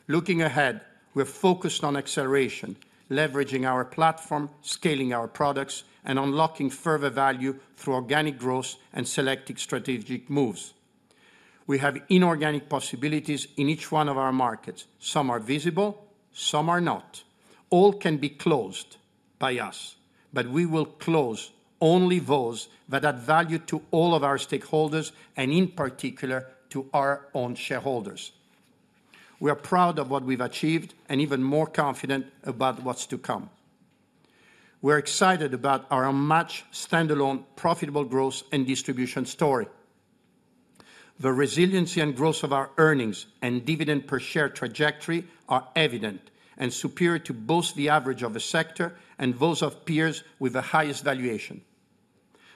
Looking ahead, we are focused on acceleration, leveraging our platform, scaling our products, and unlocking further value through organic growth and selective strategic moves. We have inorganic possibilities in each one of our markets. Some are visible; some are not. All can be closed by us, but we will close only those that add value to all of our stakeholders and, in particular, to our own shareholders. We are proud of what we've achieved and even more confident about what's to come. We're excited about our unmatched, standalone, profitable growth and distribution story. The resiliency and growth of our earnings and dividend per share trajectory are evident and superior to both the average of the sector and those of peers with the highest valuation.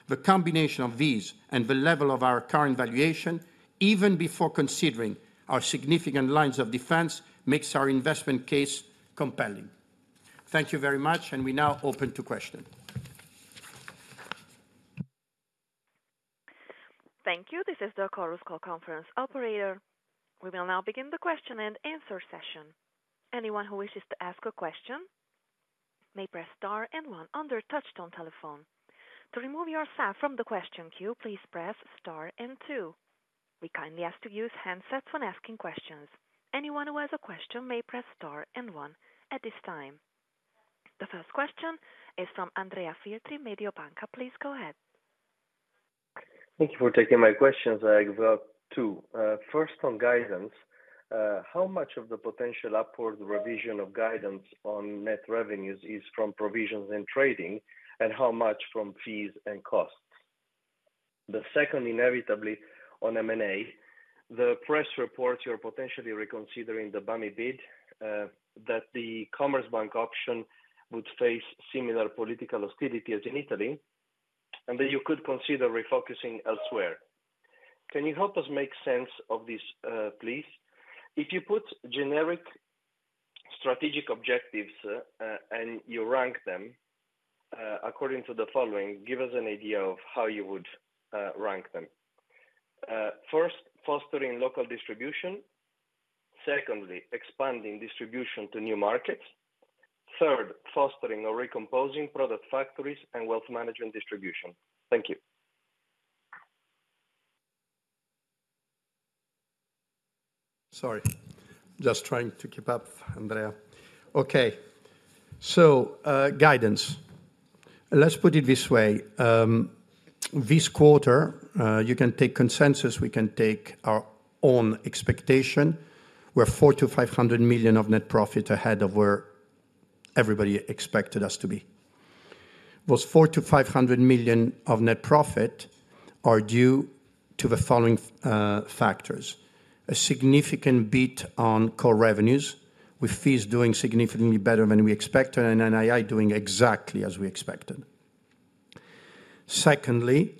The combination of these and the level of our current valuation, even before considering our significant lines of defense, makes our investment case compelling. Thank you very much, and we now open to questions. Thank you. This is the Coral's Call Conference Operator. We will now begin the question and answer session. Anyone who wishes to ask a question may press star and one on their touchtone telephone. To remove yourself from the question queue, please press star and two. We kindly ask you to use handsets when asking questions. Anyone who has a question may press star and one at this time. The first question is from Andrea Filtri, Mediobanca. Please go ahead. Thank you for taking my questions. I have two. First, on guidance, how much of the potential upward revision of guidance on net revenues is from provisions and trading, and how much from fees and costs? The second, inevitably, on M&A. The press reports you are potentially reconsidering the BAMI bid, that the Commerzbank option would face similar political hostility as in Italy, and that you could consider refocusing elsewhere. Can you help us make sense of this, please? If you put generic strategic objectives and you rank them according to the following, give us an idea of how you would rank them. First, fostering local distribution. Secondly, expanding distribution to new markets. Third, fostering or recomposing product factories and wealth management distribution. Thank you. Sorry. Just trying to keep up, Andrea. Okay. So guidance. Let's put it this way. This quarter, you can take consensus. We can take our own expectation. We're 400 million-500 million of net profit ahead of where everybody expected us to be. Those 400 million-500 million of net profit are due to the following factors: a significant beat on core revenues with fees doing significantly better than we expected, and NII doing exactly as we expected. Secondly,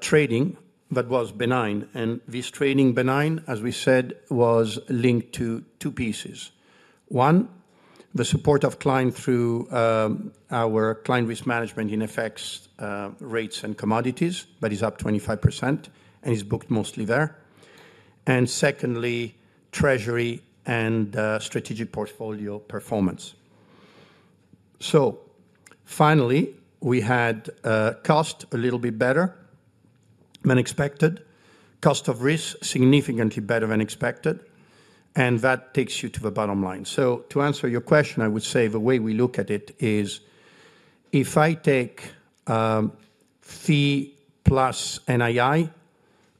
trading that was benign. And this trading benign, as we said, was linked to two pieces. One, the support of clients through our client risk management in effects, rates, and commodities that is up 25% and is booked mostly there. Secondly, treasury and strategic portfolio performance. Finally, we had cost a little bit better than expected, cost of risk significantly better than expected, and that takes you to the bottom line. To answer your question, I would say the way we look at it is if I take fee plus NII,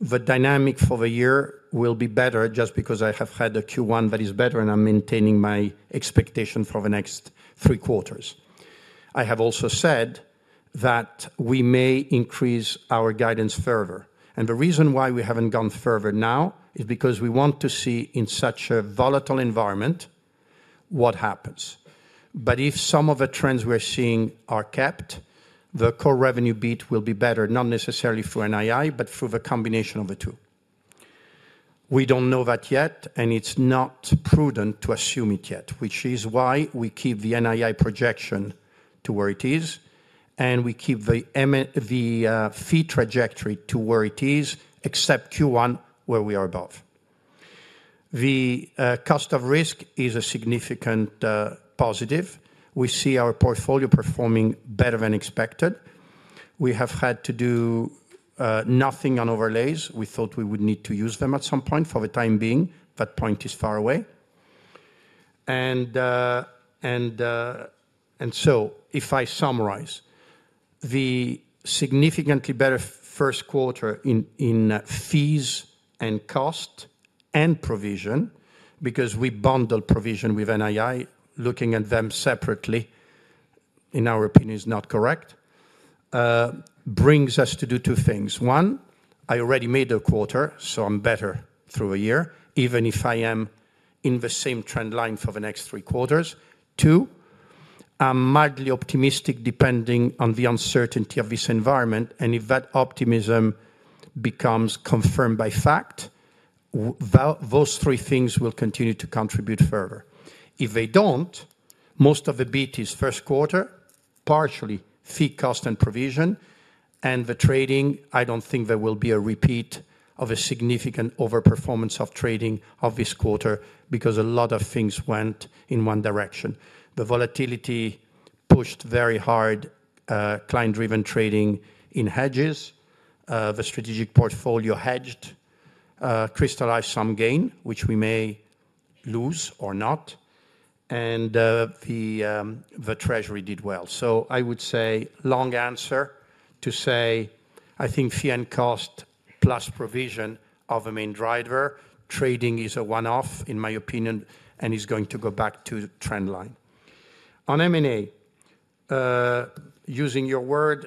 the dynamic for the year will be better just because I have had a Q1 that is better, and I'm maintaining my expectation for the next three quarters. I have also said that we may increase our guidance further. The reason why we haven't gone further now is because we want to see in such a volatile environment what happens. If some of the trends we're seeing are kept, the core revenue beat will be better, not necessarily for NII, but for the combination of the two. We don't know that yet, and it's not prudent to assume it yet, which is why we keep the NII projection to where it is, and we keep the fee trajectory to where it is, except Q1 where we are above. The cost of risk is a significant positive. We see our portfolio performing better than expected. We have had to do nothing on overlays. We thought we would need to use them at some point. For the time being, that point is far away. If I summarize, the significantly better first quarter in fees and cost and provision, because we bundle provision with NII, looking at them separately, in our opinion, is not correct, brings us to do two things. One, I already made a quarter, so I am better through a year, even if I am in the same trend line for the next three quarters. Two, I am mildly optimistic depending on the uncertainty of this environment, and if that optimism becomes confirmed by fact, those three things will continue to contribute further. If they do not, most of the beat is first quarter, partially fee, cost, and provision, and the trading, I do not think there will be a repeat of a significant overperformance of trading of this quarter because a lot of things went in one direction. The volatility pushed very hard client-driven trading in hedges. The strategic portfolio hedged crystallized some gain, which we may lose or not, and the treasury did well. I would say long answer to say I think fee and cost plus provision are the main driver. Trading is a one-off, in my opinion, and is going to go back to trend line. On M&A, using your word,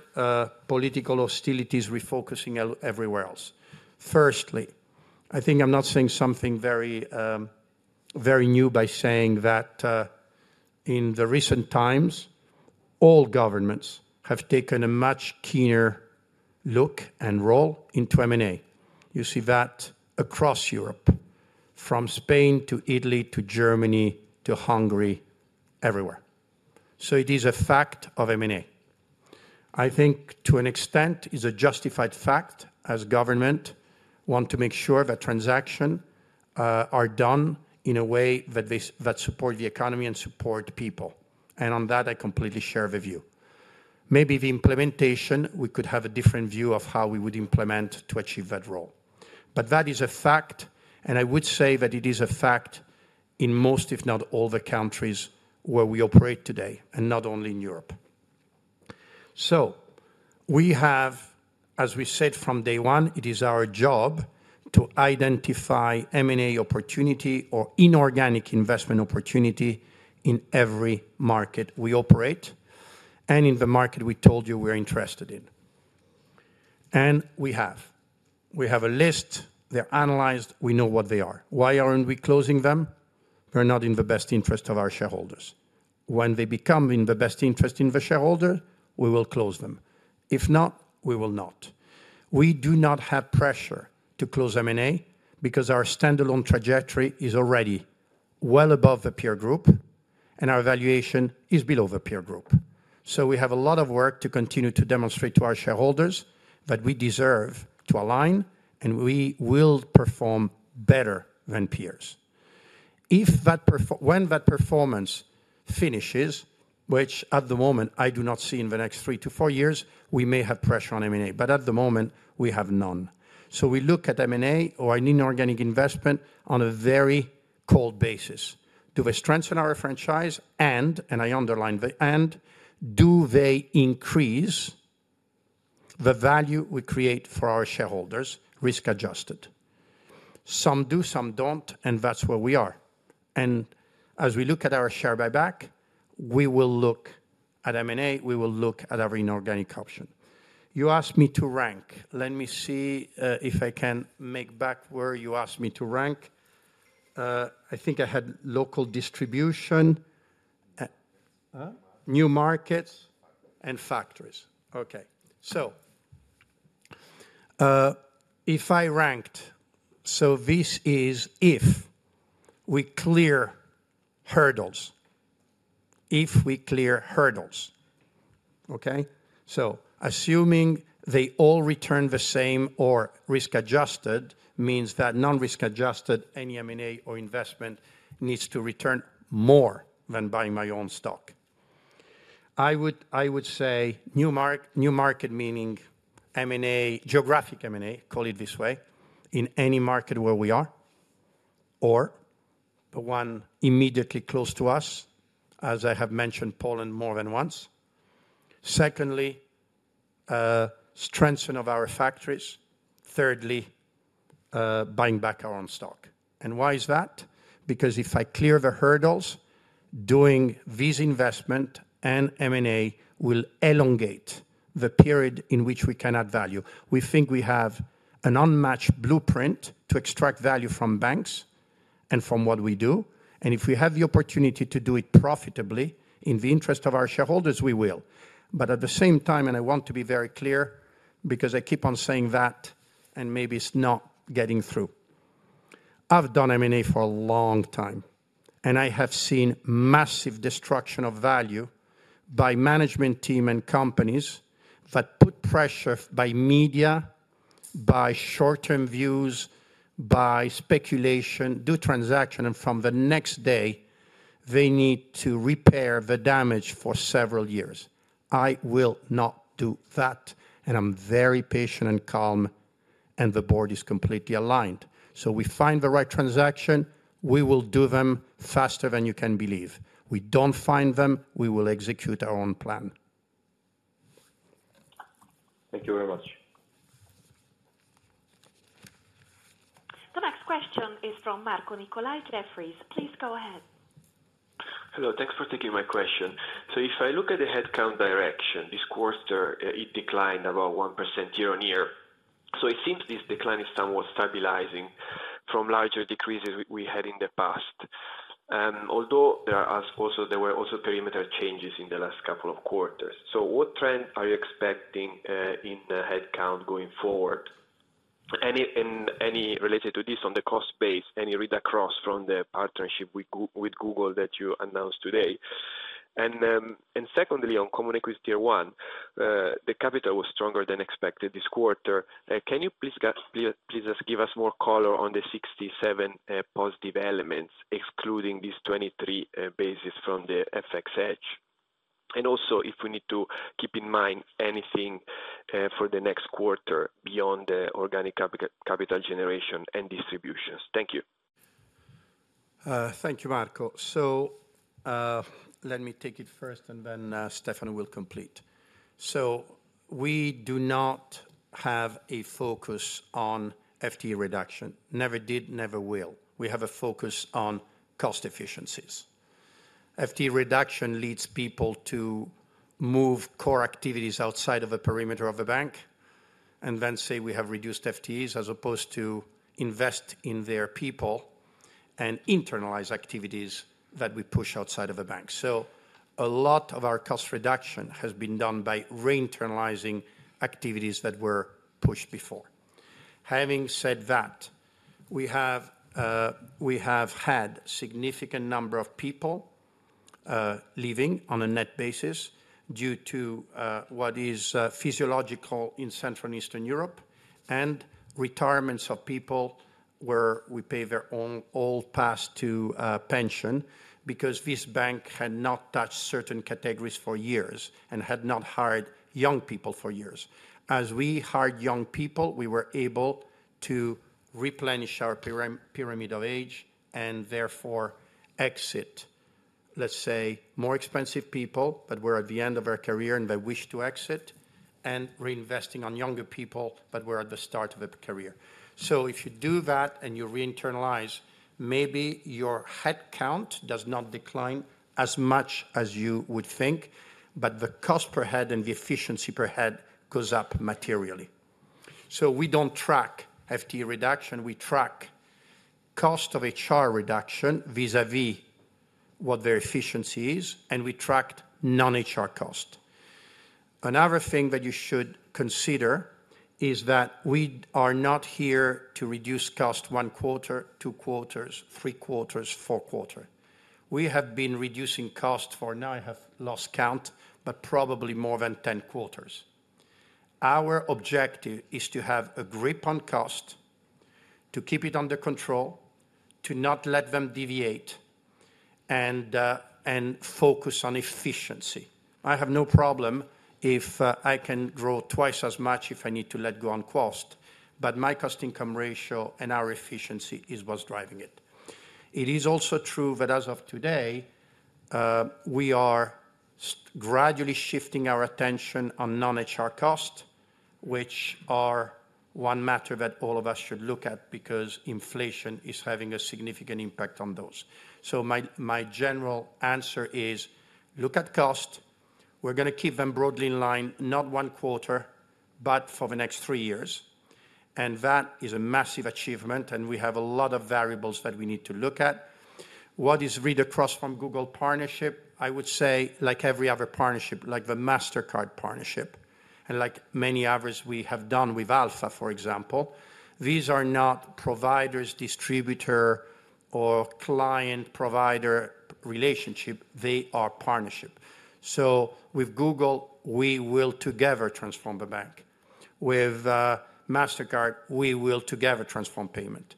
political hostilities refocusing everywhere else. Firstly, I think I'm not saying something very new by saying that in the recent times, all governments have taken a much keener look and role into M&A. You see that across Europe, from Spain to Italy to Germany to Hungary, everywhere. It is a fact of M&A. I think to an extent is a justified fact as government want to make sure that transactions are done in a way that supports the economy and supports people. On that, I completely share with you. Maybe the implementation, we could have a different view of how we would implement to achieve that role. That is a fact, and I would say that it is a fact in most, if not all, the countries where we operate today, and not only in Europe. We have, as we said from day one, it is our job to identify M&A opportunity or inorganic investment opportunity in every market we operate and in the market we told you we are interested in. We have. We have a list. They are analyzed. We know what they are. Why are we not closing them? They are not in the best interest of our shareholders. When they become in the best interest of the shareholder, we will close them. If not, we will not. We do not have pressure to close M&A because our standalone trajectory is already well above the peer group, and our valuation is below the peer group. We have a lot of work to continue to demonstrate to our shareholders that we deserve to align, and we will perform better than peers. When that performance finishes, which at the moment I do not see in the next three to four years, we may have pressure on M&A, but at the moment, we have none. We look at M&A or inorganic investment on a very cold basis. Do they strengthen our franchise? And, and I underline the and, do they increase the value we create for our shareholders risk-adjusted? Some do, some do not, and that is where we are. As we look at our share buyback, we will look at M&A. We will look at our inorganic option. You asked me to rank. Let me see if I can make back where you asked me to rank. I think I had local distribution, new markets, and factories. Okay. If I ranked, this is if we clear hurdles, if we clear hurdles, okay? Assuming they all return the same or risk-adjusted means that non-risk-adjusted any M&A or investment needs to return more than buying my own stock. I would say new market meaning M&A, geographic M&A, call it this way, in any market where we are, or the one immediately close to us, as I have mentioned Poland more than once. Secondly, strengthening of our factories. Thirdly, buying back our own stock. Why is that? If I clear the hurdles, doing this investment and M&A will elongate the period in which we can add value. We think we have an unmatched blueprint to extract value from banks and from what we do. If we have the opportunity to do it profitably in the interest of our shareholders, we will. At the same time, I want to be very clear because I keep on saying that, and maybe it's not getting through. I've done M&A for a long time, and I have seen massive destruction of value by management team and companies that put pressure by media, by short-term views, by speculation, do transaction, and from the next day, they need to repair the damage for several years. I will not do that, and I'm very patient and calm, and the board is completely aligned. If we find the right transaction, we will do them faster than you can believe. If we do not find them, we will execute our own plan. Thank you very much. The next question is from Marco Nicolai Jefferies. Please go ahead. Hello. Thanks for taking my question. If I look at the headcount direction, this quarter, it declined about 1% year on year. It seems this decline is somewhat stabilizing from larger decreases we had in the past. Although there are also, there were also perimeter changes in the last couple of quarters. What trend are you expecting in headcount going forward? Any related to this on the cost base, any read across from the partnership with Google that you announced today? Secondly, on common equity tier one, the capital was stronger than expected this quarter. Can you please just give us more color on the 67 positive elements, excluding these 23 basis points from the FXH? If we need to keep in mind anything for the next quarter beyond the organic capital generation and distributions. Thank you. Thank you, Marco. Let me take it first, and then Stefano will complete. We do not have a focus on FTE reduction. Never did, never will. We have a focus on cost efficiencies. FTE reduction leads people to move core activities outside of the perimeter of a bank and then say we have reduced FTEs as opposed to invest in their people and internalize activities that we push outside of a bank. A lot of our cost reduction has been done by re-internalizing activities that were pushed before. Having said that, we have had a significant number of people leaving on a net basis due to what is physiological in Central and Eastern Europe and retirements of people where we pay their own old past to pension because this bank had not touched certain categories for years and had not hired young people for years. As we hired young people, we were able to replenish our pyramid of age and therefore exit, let's say, more expensive people that were at the end of their career and they wish to exit and reinvesting on younger people that were at the start of a career. If you do that and you re-internalize, maybe your headcount does not decline as much as you would think, but the cost per head and the efficiency per head goes up materially. We don't track FTE reduction. We track cost of HR reduction vis-à-vis what their efficiency is, and we tracked non-HR cost. Another thing that you should consider is that we are not here to reduce cost one quarter, two quarters, three quarters, four quarters. We have been reducing cost for now, I have lost count, but probably more than 10 quarters. Our objective is to have a grip on cost, to keep it under control, to not let them deviate, and focus on efficiency. I have no problem if I can grow twice as much if I need to let go on cost, but my cost-income ratio and our efficiency is what's driving it. It is also true that as of today, we are gradually shifting our attention on non-HR cost, which are one matter that all of us should look at because inflation is having a significant impact on those. My general answer is look at cost. We are going to keep them broadly in line, not one quarter, but for the next three years. That is a massive achievement, and we have a lot of variables that we need to look at. What is read across from Google partnership? I would say like every other partnership, like the Mastercard partnership, and like many others we have done with Alpha, for example. These are not provider, distributor, or client-provider relationships. They are partnerships. With Google, we will together transform the bank. With Mastercard, we will together transform payment.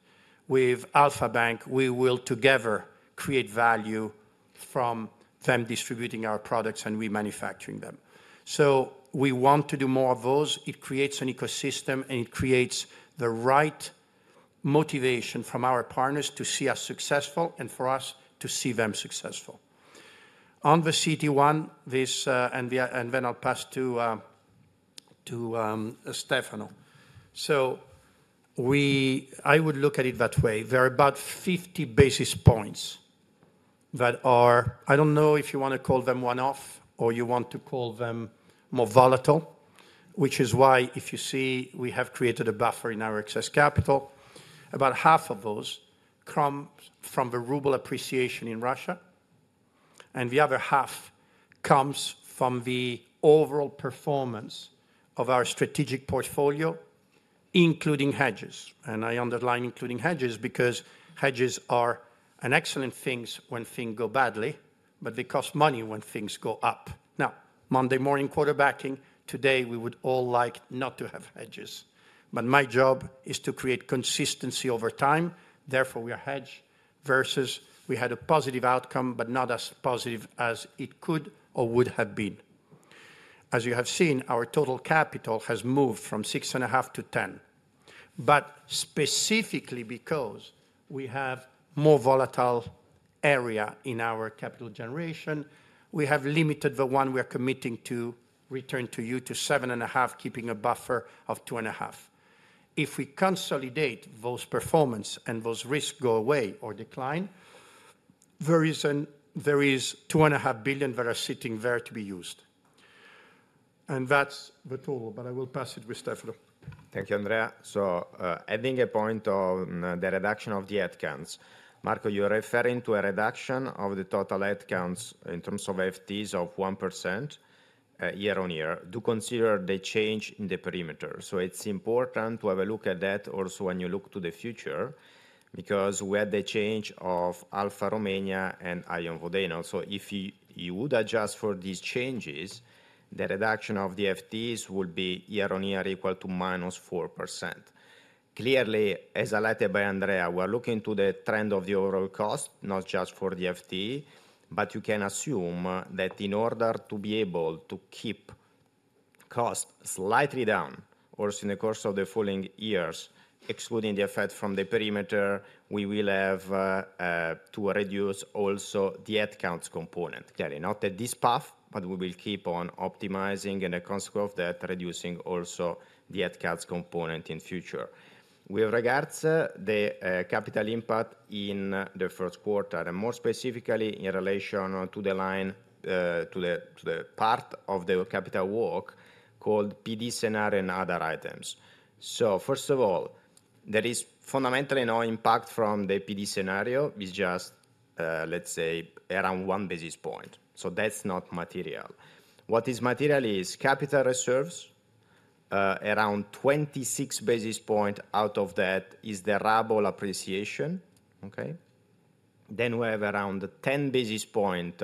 With Alpha Bank, we will together create value from them distributing our products and remanufacturing them. We want to do more of those. It creates an ecosystem, and it creates the right motivation from our partners to see us successful and for us to see them successful. On the CET1 one, this and then I'll pass to Stefano. I would look at it that way. There are about 50 basis points that are, I don't know if you want to call them one-off or you want to call them more volatile, which is why if you see we have created a buffer in our excess capital. About half of those come from the ruble appreciation in Russia, and the other half comes from the overall performance of our strategic portfolio, including hedges. I underline including hedges because hedges are an excellent thing when things go badly, but they cost money when things go up. Now, Monday morning quarterbacking, today we would all like not to have hedges, but my job is to create consistency over time. Therefore, we are hedged versus we had a positive outcome, but not as positive as it could or would have been. As you have seen, our total capital has moved from 6.5 billion to 10 billion. But specifically because we have more volatile area in our capital generation, we have limited the one we are committing to return to you to 7.5 billion, keeping a buffer of 2.5 billion. If we consolidate those performance and those risks go away or decline, there is 2.5 billion that are sitting there to be used. That is the tool, but I will pass it with Stefano. Thank you, Andrea. Adding a point on the reduction of the headcounts. Marco, you are referring to a reduction of the total headcounts in terms of FTEs of 1% year on year. Do consider the change in the perimeter. It is important to have a look at that also when you look to the future because we had the change of Alpha Bank Romania and Ion Vodeno. If you would adjust for these changes, the reduction of the FTEs will be year on year equal to minus 4%. Clearly, as I alluded to by Andrea, we're looking to the trend of the overall cost, not just for the FTE, but you can assume that in order to be able to keep cost slightly down, or in the course of the following years, excluding the effect from the perimeter, we will have to reduce also the headcounts component. Clearly, not at this path, but we will keep on optimizing and accounting of that, reducing also the headcounts component in future. With regards to the capital impact in the first quarter, and more specifically in relation to the line to the part of the capital walk called PD scenario and other items. First of all, there is fundamentally no impact from the PD scenario. It's just, let's say, around one basis point. That's not material. What is material is capital reserves. Around 26 basis points out of that is the Rabble appreciation. Okay? We have around 10 basis points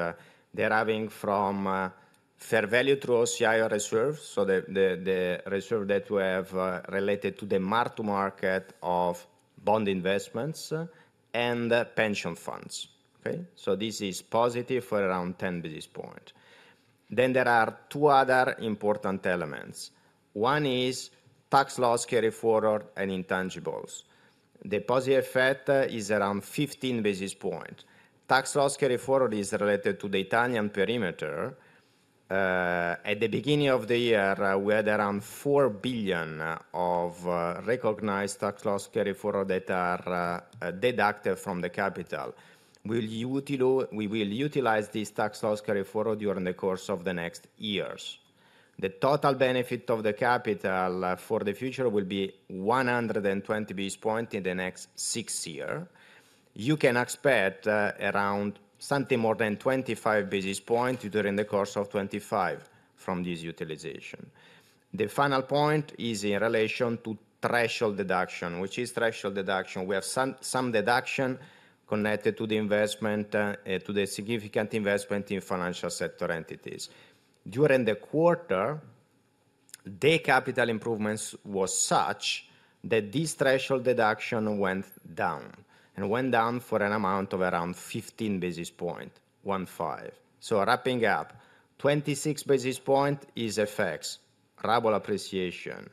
deriving from fair value through OCI reserves. The reserve that we have related to the mark-to-market of bond investments and pension funds. Okay? This is positive for around 10 basis points. There are two other important elements. One is tax loss carry forward and intangibles. The positive effect is around 15 basis points. Tax loss carry forward is related to the Italian perimeter. At the beginning of the year, we had around 4 billion of recognized tax loss carry forward that are deducted from the capital. We will utilize this tax loss carry forward during the course of the next years. The total benefit of the capital for the future will be 120 basis points in the next six years. You can expect around something more than 25 basis points during the course of 2025 from this utilization. The final point is in relation to threshold deduction, which is threshold deduction. We have some deduction connected to the investment, to the significant investment in financial sector entities. During the quarter, the capital improvements were such that this threshold deduction went down and went down for an amount of around 15 basis points, 1.5. Wrapping up, 26 basis points is FX, Rouble appreciation.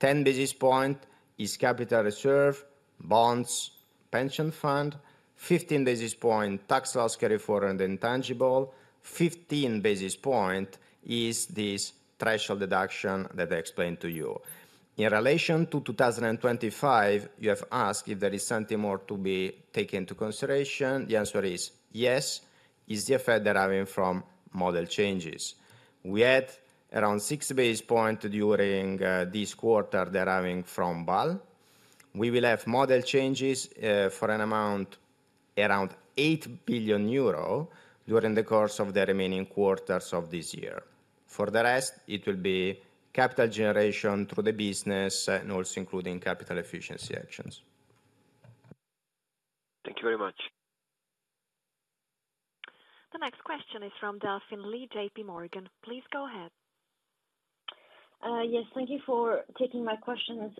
10 basis points is capital reserve, bonds, pension fund. 15 basis points tax loss carry forward and intangible. 15 basis points is this threshold deduction that I explained to you. In relation to 2025, you have asked if there is something more to be taken into consideration. The answer is yes, is the effect deriving from model changes. We had around 6 basis points during this quarter deriving from BAL. We will have model changes for an amount around 8 billion euro during the course of the remaining quarters of this year. For the rest, it will be capital generation through the business and also including capital efficiency actions. Thank you very much. The next question is from Delphine Lee, J.P. Morgan. Please go ahead. Yes, thank you for taking my questions.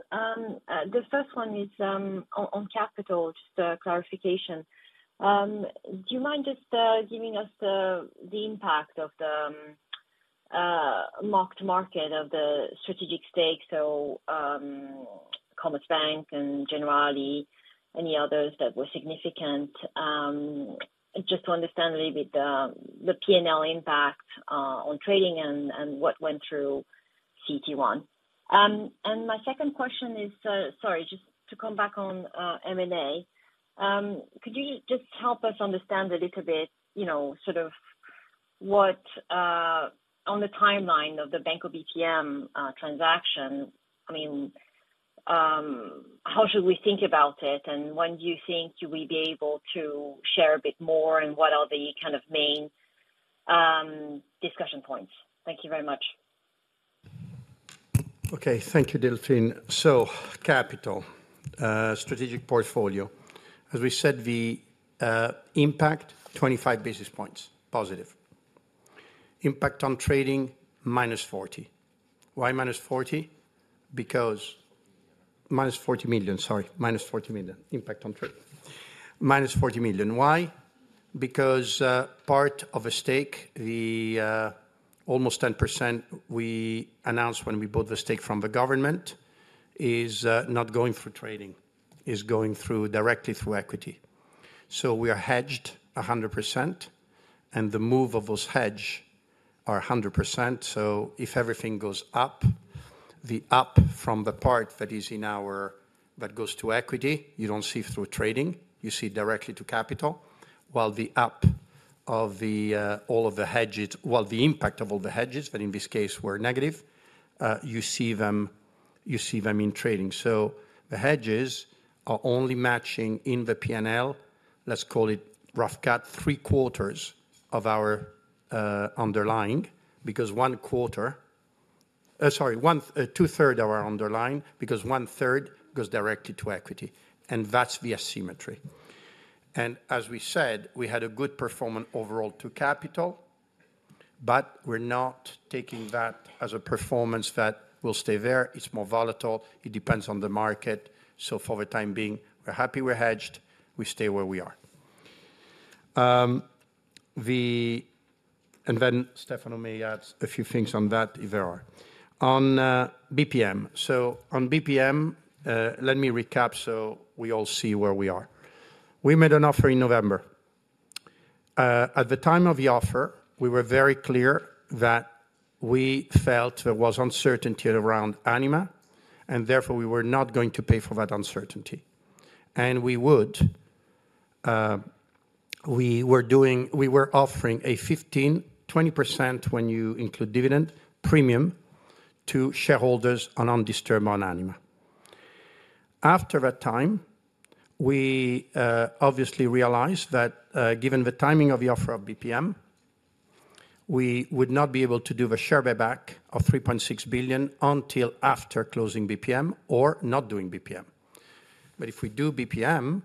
The first one is on capital, just a clarification. Do you mind just giving us the impact of the mark-to-market of the strategic stakes, so Commerzbank and Generali? Any others that were significant? Just to understand a little bit the P&L impact on trading and what went through CET1. My second question is, sorry, just to come back on M&A. Could you just help us understand a little bit sort of what on the timeline of the Banco BPM transaction? I mean, how should we think about it? When do you think you will be able to share a bit more and what are the kind of main discussion points? Thank you very much. Okay, thank you, Delphine. Capital, strategic portfolio. As we said, the impact, 25 basis points positive. Impact on trading, minus 40. Why minus 40? Because minus 40 million, sorry, minus 40 million. Impact on trading, minus 40 million. Why? Because part of a stake, the almost 10% we announced when we bought the stake from the government is not going through trading, is going directly through equity. We are hedged 100%, and the move of those hedges are 100%. If everything goes up, the up from the part that is in our that goes to equity, you do not see through trading, you see directly to capital, while the up of all of the hedges, while the impact of all the hedges that in this case were negative, you see them in trading. The hedges are only matching in the P&L, let's call it rough cut, three quarters of our underlying because one quarter, sorry, two-thirds of our underlying because one-third goes directly to equity. That is via symmetry. As we said, we had a good performance overall to capital, but we're not taking that as a performance that will stay there. It's more volatile. It depends on the market. For the time being, we're happy we're hedged. We stay where we are. Stefano may add a few things on that if there are. On BPM, let me recap so we all see where we are. We made an offer in November. At the time of the offer, we were very clear that we felt there was uncertainty around Anima, and therefore we were not going to pay for that uncertainty. We were offering a 15%-20% when you include dividend premium to shareholders on undisturbed on Anima. After that time, we obviously realized that given the timing of the offer of BPM, we would not be able to do the share buyback of 3.6 billion until after closing BPM or not doing BPM. If we do BPM,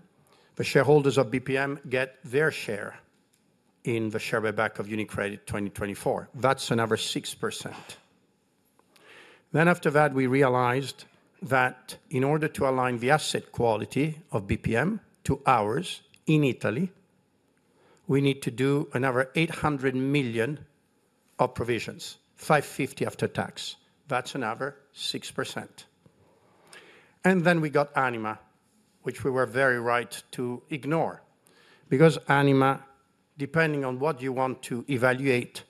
the shareholders of BPM get their share in the share buyback of UniCredit 2024. That is another 6%. After that, we realized that in order to align the asset quality of BPM to ours in Italy, we need to do another 800 million of provisions, 550 million after tax. That is another 6%. We got Anima, which we were very right to ignore because Anima, depending on what you want to evaluate,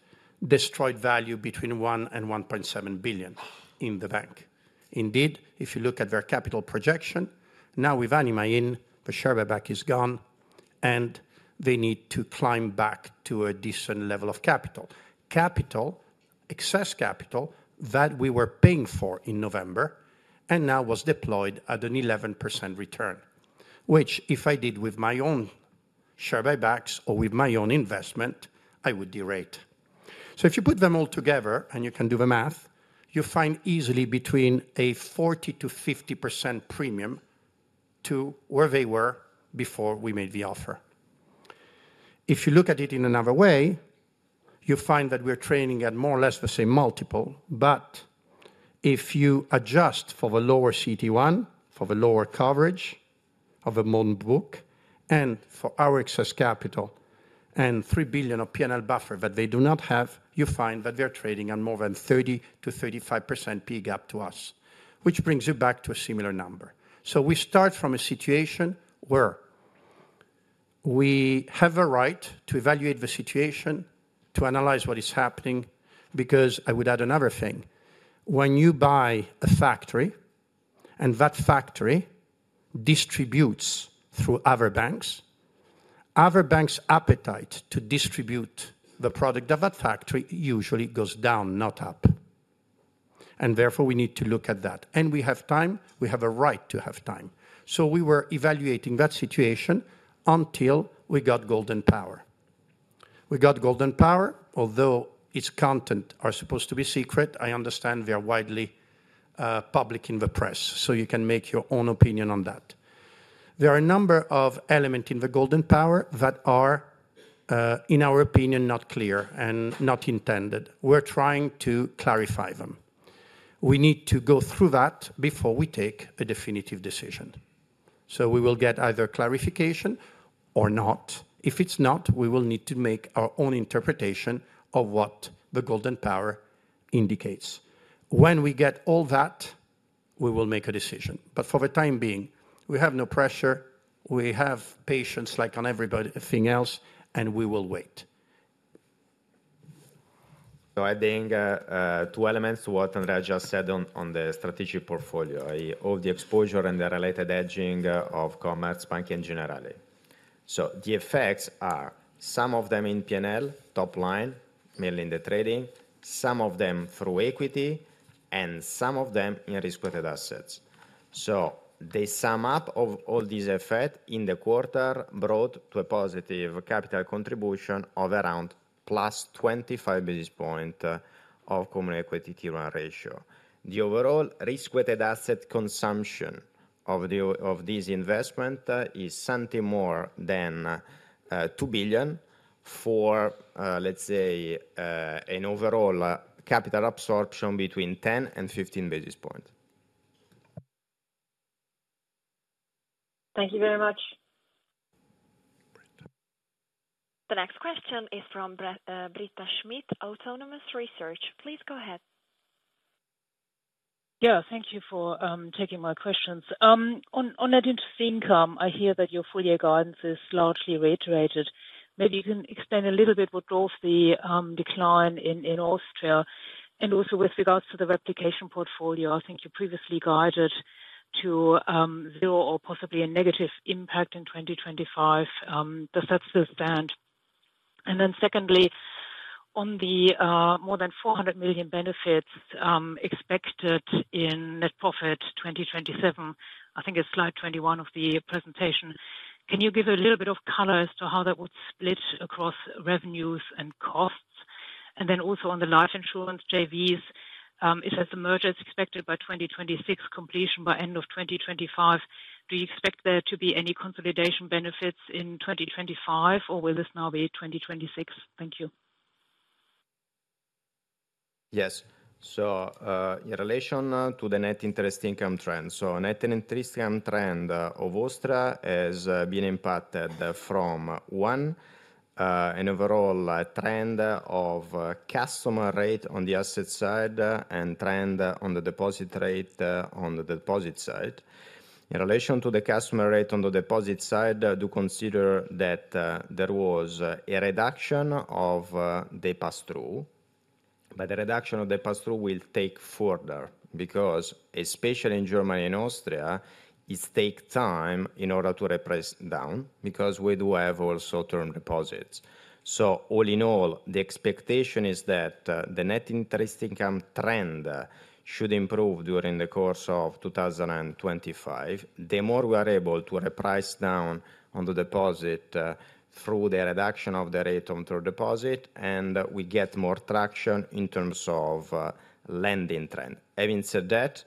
destroyed value between 1 billion and 1.7 billion in the bank. Indeed, if you look at their capital projection, now with Anima in, the share buyback is gone, and they need to climb back to a decent level of capital. Capital, excess capital that we were paying for in November and now was deployed at an 11% return, which if I did with my own share buybacks or with my own investment, I would de-rate. If you put them all together and you can do the math, you find easily between a 40% and 50% premium to where they were before we made the offer. If you look at it in another way, you find that we're trading at more or less the same multiple, but if you adjust for the lower CET1, for the lower coverage of the bond book and for our excess capital and 3 billion of P&L buffer that they do not have, you find that they're trading on more than 30-35% P gap to us, which brings you back to a similar number. We start from a situation where we have a right to evaluate the situation, to analyze what is happening because I would add another thing. When you buy a factory and that factory distributes through other banks, other banks' appetite to distribute the product of that factory usually goes down, not up. Therefore, we need to look at that. We have time. We have a right to have time. We were evaluating that situation until we got golden power. We got golden power, although its content is supposed to be secret. I understand they are widely public in the press, so you can make your own opinion on that. There are a number of elements in the golden power that are, in our opinion, not clear and not intended. We're trying to clarify them. We need to go through that before we take a definitive decision. We will get either clarification or not. If it's not, we will need to make our own interpretation of what the golden power indicates. When we get all that, we will make a decision. For the time being, we have no pressure. We have patience like on everything else, and we will wait. Adding two elements to what Andrea just said on the strategic portfolio, of the exposure and the related hedging of Commerzbank and Generali. The effects are some of them in P&L, top line, mainly in the trading, some of them through equity, and some of them in risk-weighted assets. They sum up all these effects in the quarter brought to a positive capital contribution of around plus 25 basis points of common equity tier one ratio. The overall risk-weighted asset consumption of these investments is something more than 2 billion for, let's say, an overall capital absorption between 10 and 15 basis points. Thank you very much. The next question is from Britta Schmidt, Autonomous Research. Please go ahead. Yeah, thank you for taking my questions. On that interesting income, I hear that your four-year guidance is largely reiterated. Maybe you can explain a little bit what draws the decline in Austria and also with regards to the replication portfolio. I think you previously guided to zero or possibly a negative impact in 2025. Does that still stand? Secondly, on the more than 400 million benefits expected in net profit 2027, I think it is slide 21 of the presentation. Can you give a little bit of color as to how that would split across revenues and costs? Also, on the life insurance JVS, if there is a merger expected by 2026 completion by end of 2025, do you expect there to be any consolidation benefits in 2025, or will this now be 2026? Thank you. Yes. In relation to the net interest income trend, net interest income trend of Austria has been impacted from, one, an overall trend of customer rate on the asset side and trend on the deposit rate on the deposit side. In relation to the customer rate on the deposit side, do consider that there was a reduction of the pass-through, but the reduction of the pass-through will take further because, especially in Germany and Austria, it takes time in order to reprice down because we do have also term deposits. All in all, the expectation is that the net interest income trend should improve during the course of 2025. The more we are able to reprice down on the deposit through the reduction of the rate on term deposit, and we get more traction in terms of lending trend. Having said that,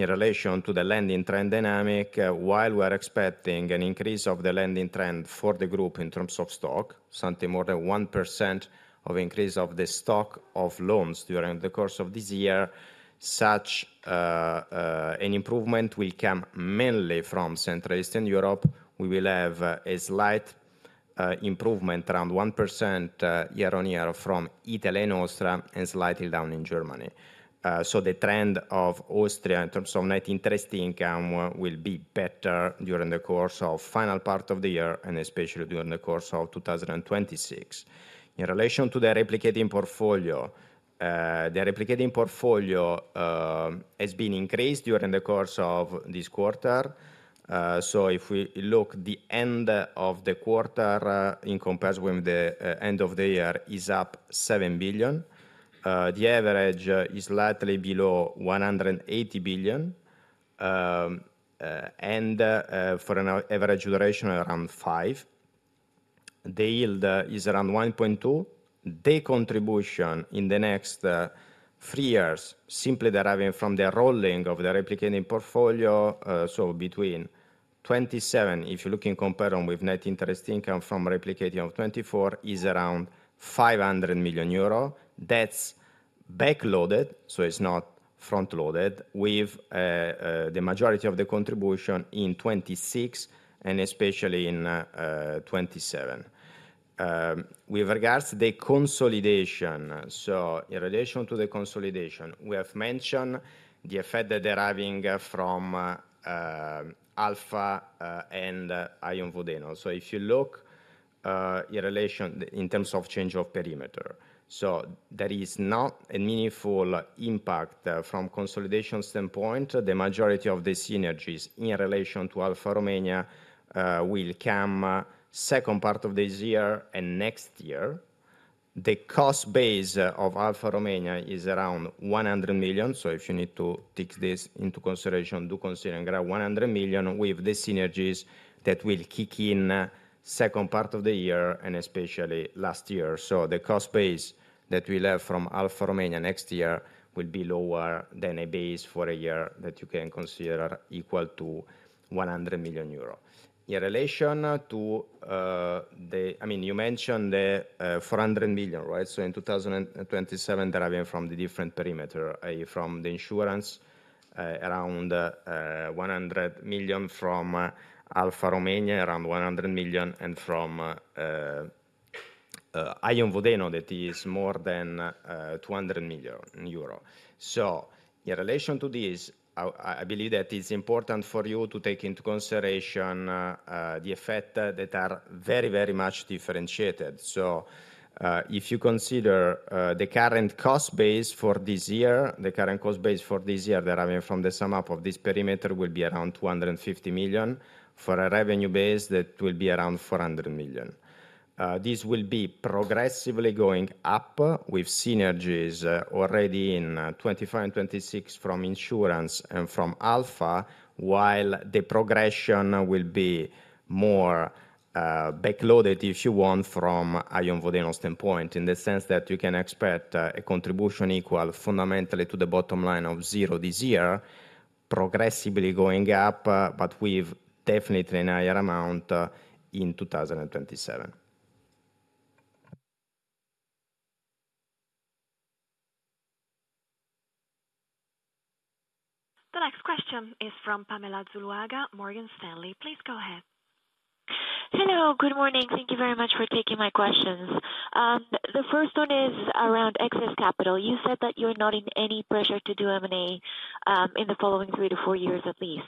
in relation to the lending trend dynamic, while we are expecting an increase of the lending trend for the group in terms of stock, something more than 1% of increase of the stock of loans during the course of this year, such an improvement will come mainly from Central and Eastern Europe. We will have a slight improvement around 1% year on year from Italy and Austria and slightly down in Germany. The trend of Austria in terms of net interest income will be better during the course of the final part of the year and especially during the course of 2026. In relation to the replicating portfolio, the replicating portfolio has been increased during the course of this quarter. If we look, the end of the quarter in comparison with the end of the year is up 7 billion. The average is slightly below 180 billion, and for an average duration around five, the yield is around 1.2. The contribution in the next three years, simply deriving from the rolling of the replicating portfolio, so between 2027, if you're looking comparing with net interest income from replicating of 2024, is around 500 million euro. That's backloaded, so it's not front-loaded, with the majority of the contribution in 2026 and especially in 2027. With regards to the consolidation, so in relation to the consolidation, we have mentioned the effect that they're having from Alpha and Ion Vodeno. If you look in relation in terms of change of perimeter, there is not a meaningful impact from a consolidation standpoint. The majority of the synergies in relation to Alpha Bank Romania will come second part of this year and next year. The cost base of Alpha Bank Romania is around 100 million. If you need to take this into consideration, do consider and grab 100 million with the synergies that will kick in second part of the year and especially last year. The cost base that we have from Alpha Bank Romania next year will be lower than a base for a year that you can consider equal to 100 million euro. In relation to the, I mean, you mentioned the 400 million, right? In 2027, they are having from the different perimeter, from the insurance, around 100 million from Alpha Bank Romania, around 100 million, and from Aion Vodeno, that is more than 200 million euro. In relation to this, I believe that it is important for you to take into consideration the effect that are very, very much differentiated. If you consider the current cost base for this year, the current cost base for this year that I mean from the sum up of this perimeter will be around 250 million for a revenue base that will be around 400 million. This will be progressively going up with synergies already in 2025 and 2026 from insurance and from Alpha, while the progression will be more backloaded, if you want, from Ion Vodeno standpoint, in the sense that you can expect a contribution equal fundamentally to the bottom line of zero this year, progressively going up, but with definitely a higher amount in 2027. The next question is from Pamela Zuluaga, Morgan Stanley. Please go ahead. Hello, good morning. Thank you very much for taking my questions. The first one is around excess capital. You said that you're not in any pressure to do M&A in the following three to four years at least.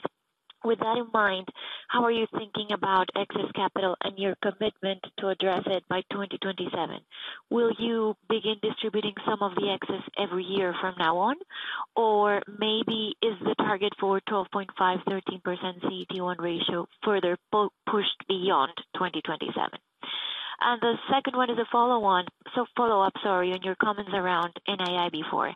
With that in mind, how are you thinking about excess capital and your commitment to address it by 2027? Will you begin distributing some of the excess every year from now on, or maybe is the target for 12.5-13% CET1 ratio further pushed beyond 2027? The second one is a follow-on, so follow-up, sorry, on your comments around NII before.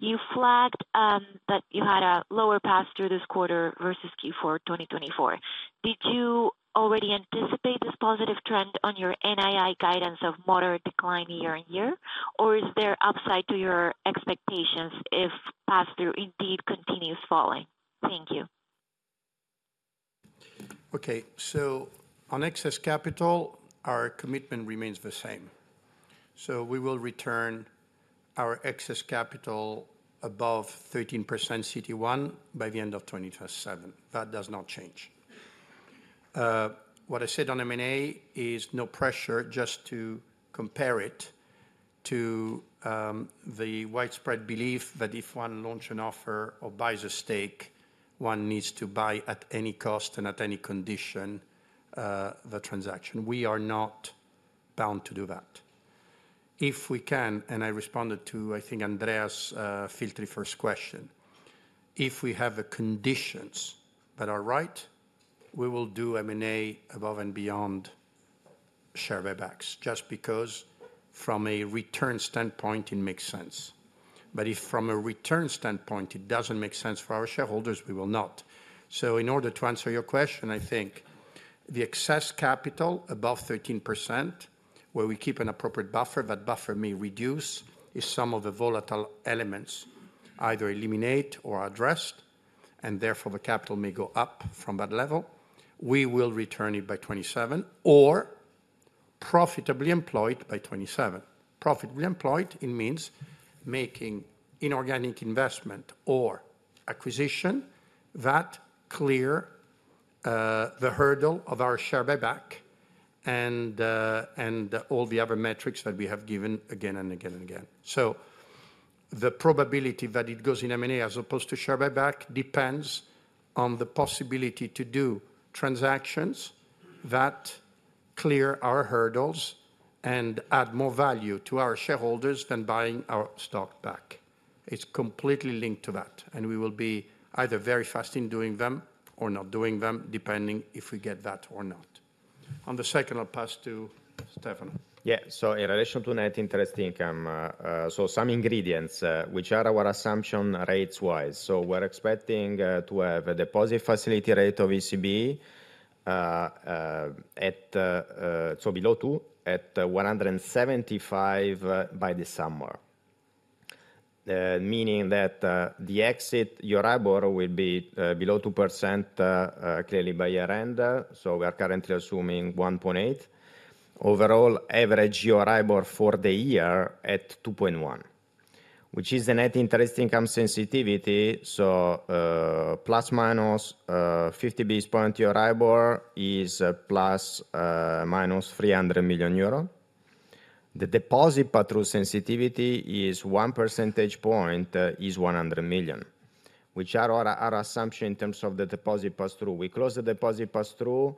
You flagged that you had a lower pass-through this quarter versus Q4 2024. Did you already anticipate this positive trend on your NII guidance of moderate decline year on year, or is there upside to your expectations if pass-through indeed continues falling? Thank you. Okay. On excess capital, our commitment remains the same. We will return our excess capital above 13% CET1 by the end of 2027. That does not change. What I said on M&A is no pressure just to compare it to the widespread belief that if one launches an offer or buys a stake, one needs to buy at any cost and at any condition the transaction. We are not bound to do that. If we can, and I responded to, I think, Andrea's Filtri first question, if we have the conditions that are right, we will do M&A above and beyond share buybacks just because from a return standpoint, it makes sense. If from a return standpoint, it does not make sense for our shareholders, we will not. In order to answer your question, I think the excess capital above 13%, where we keep an appropriate buffer, that buffer may reduce if some of the volatile elements either eliminate or are addressed, and therefore the capital may go up from that level. We will return it by 2027 or profitably employ it by 2027. Profitably employed means making inorganic investment or acquisition that clear the hurdle of our share buyback and all the other metrics that we have given again and again and again. The probability that it goes in M&A as opposed to share buyback depends on the possibility to do transactions that clear our hurdles and add more value to our shareholders than buying our stock back. It's completely linked to that, and we will be either very fast in doing them or not doing them, depending if we get that or not. On the second, I'll pass to Stefan. Yeah. In relation to net interest income, some ingredients, which are our assumption rates-wise, we're expecting to have a deposit facility rate of ECB at below 2, at 1.75 by this summer, meaning that the exit Euribor will be below 2% clearly by year-end. We are currently assuming 1.8. Overall, average Euribor for the year at 2.1, which is the net interest income sensitivity. Plus-minus 50 basis points Euribor is plus-minus 300 million euro. The deposit pass-through sensitivity is 1 percentage point is 100 million, which are our assumption in terms of the deposit pass-through. We close the deposit pass-through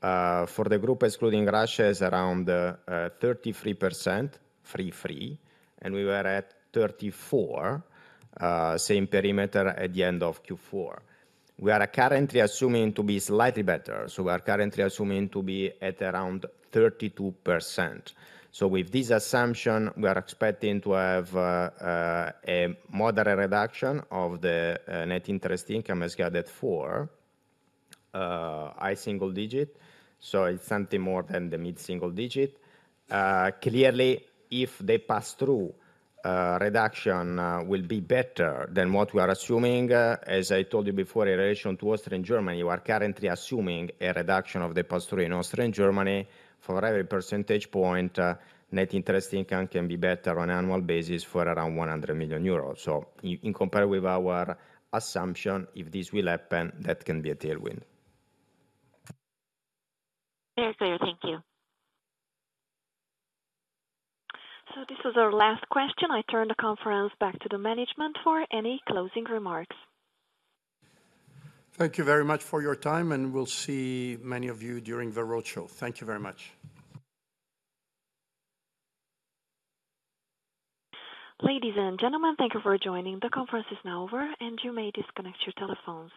for the group, excluding Russia, is around 33%, 3, 3, and we were at 34, same perimeter at the end of Q4. We are currently assuming to be slightly better. We are currently assuming to be at around 32%. With this assumption, we are expecting to have a moderate reduction of the net interest income as guided for high single digit. It is something more than the mid-single digit. Clearly, if the pass-through reduction will be better than what we are assuming. As I told you before, in relation to Austria and Germany, we are currently assuming a reduction of the pass-through in Austria and Germany. For every percentage point, net interest income can be better on an annual basis for around 100 million euros. In comparison with our assumption, if this will happen, that can be a tailwind. Thank you. This was our last question. I turn the conference back to the management for any closing remarks. Thank you very much for your time, and we will see many of you during the roadshow. Thank you very much. Ladies and gentlemen, thank you for joining. The conference is now over, and you may disconnect your telephones.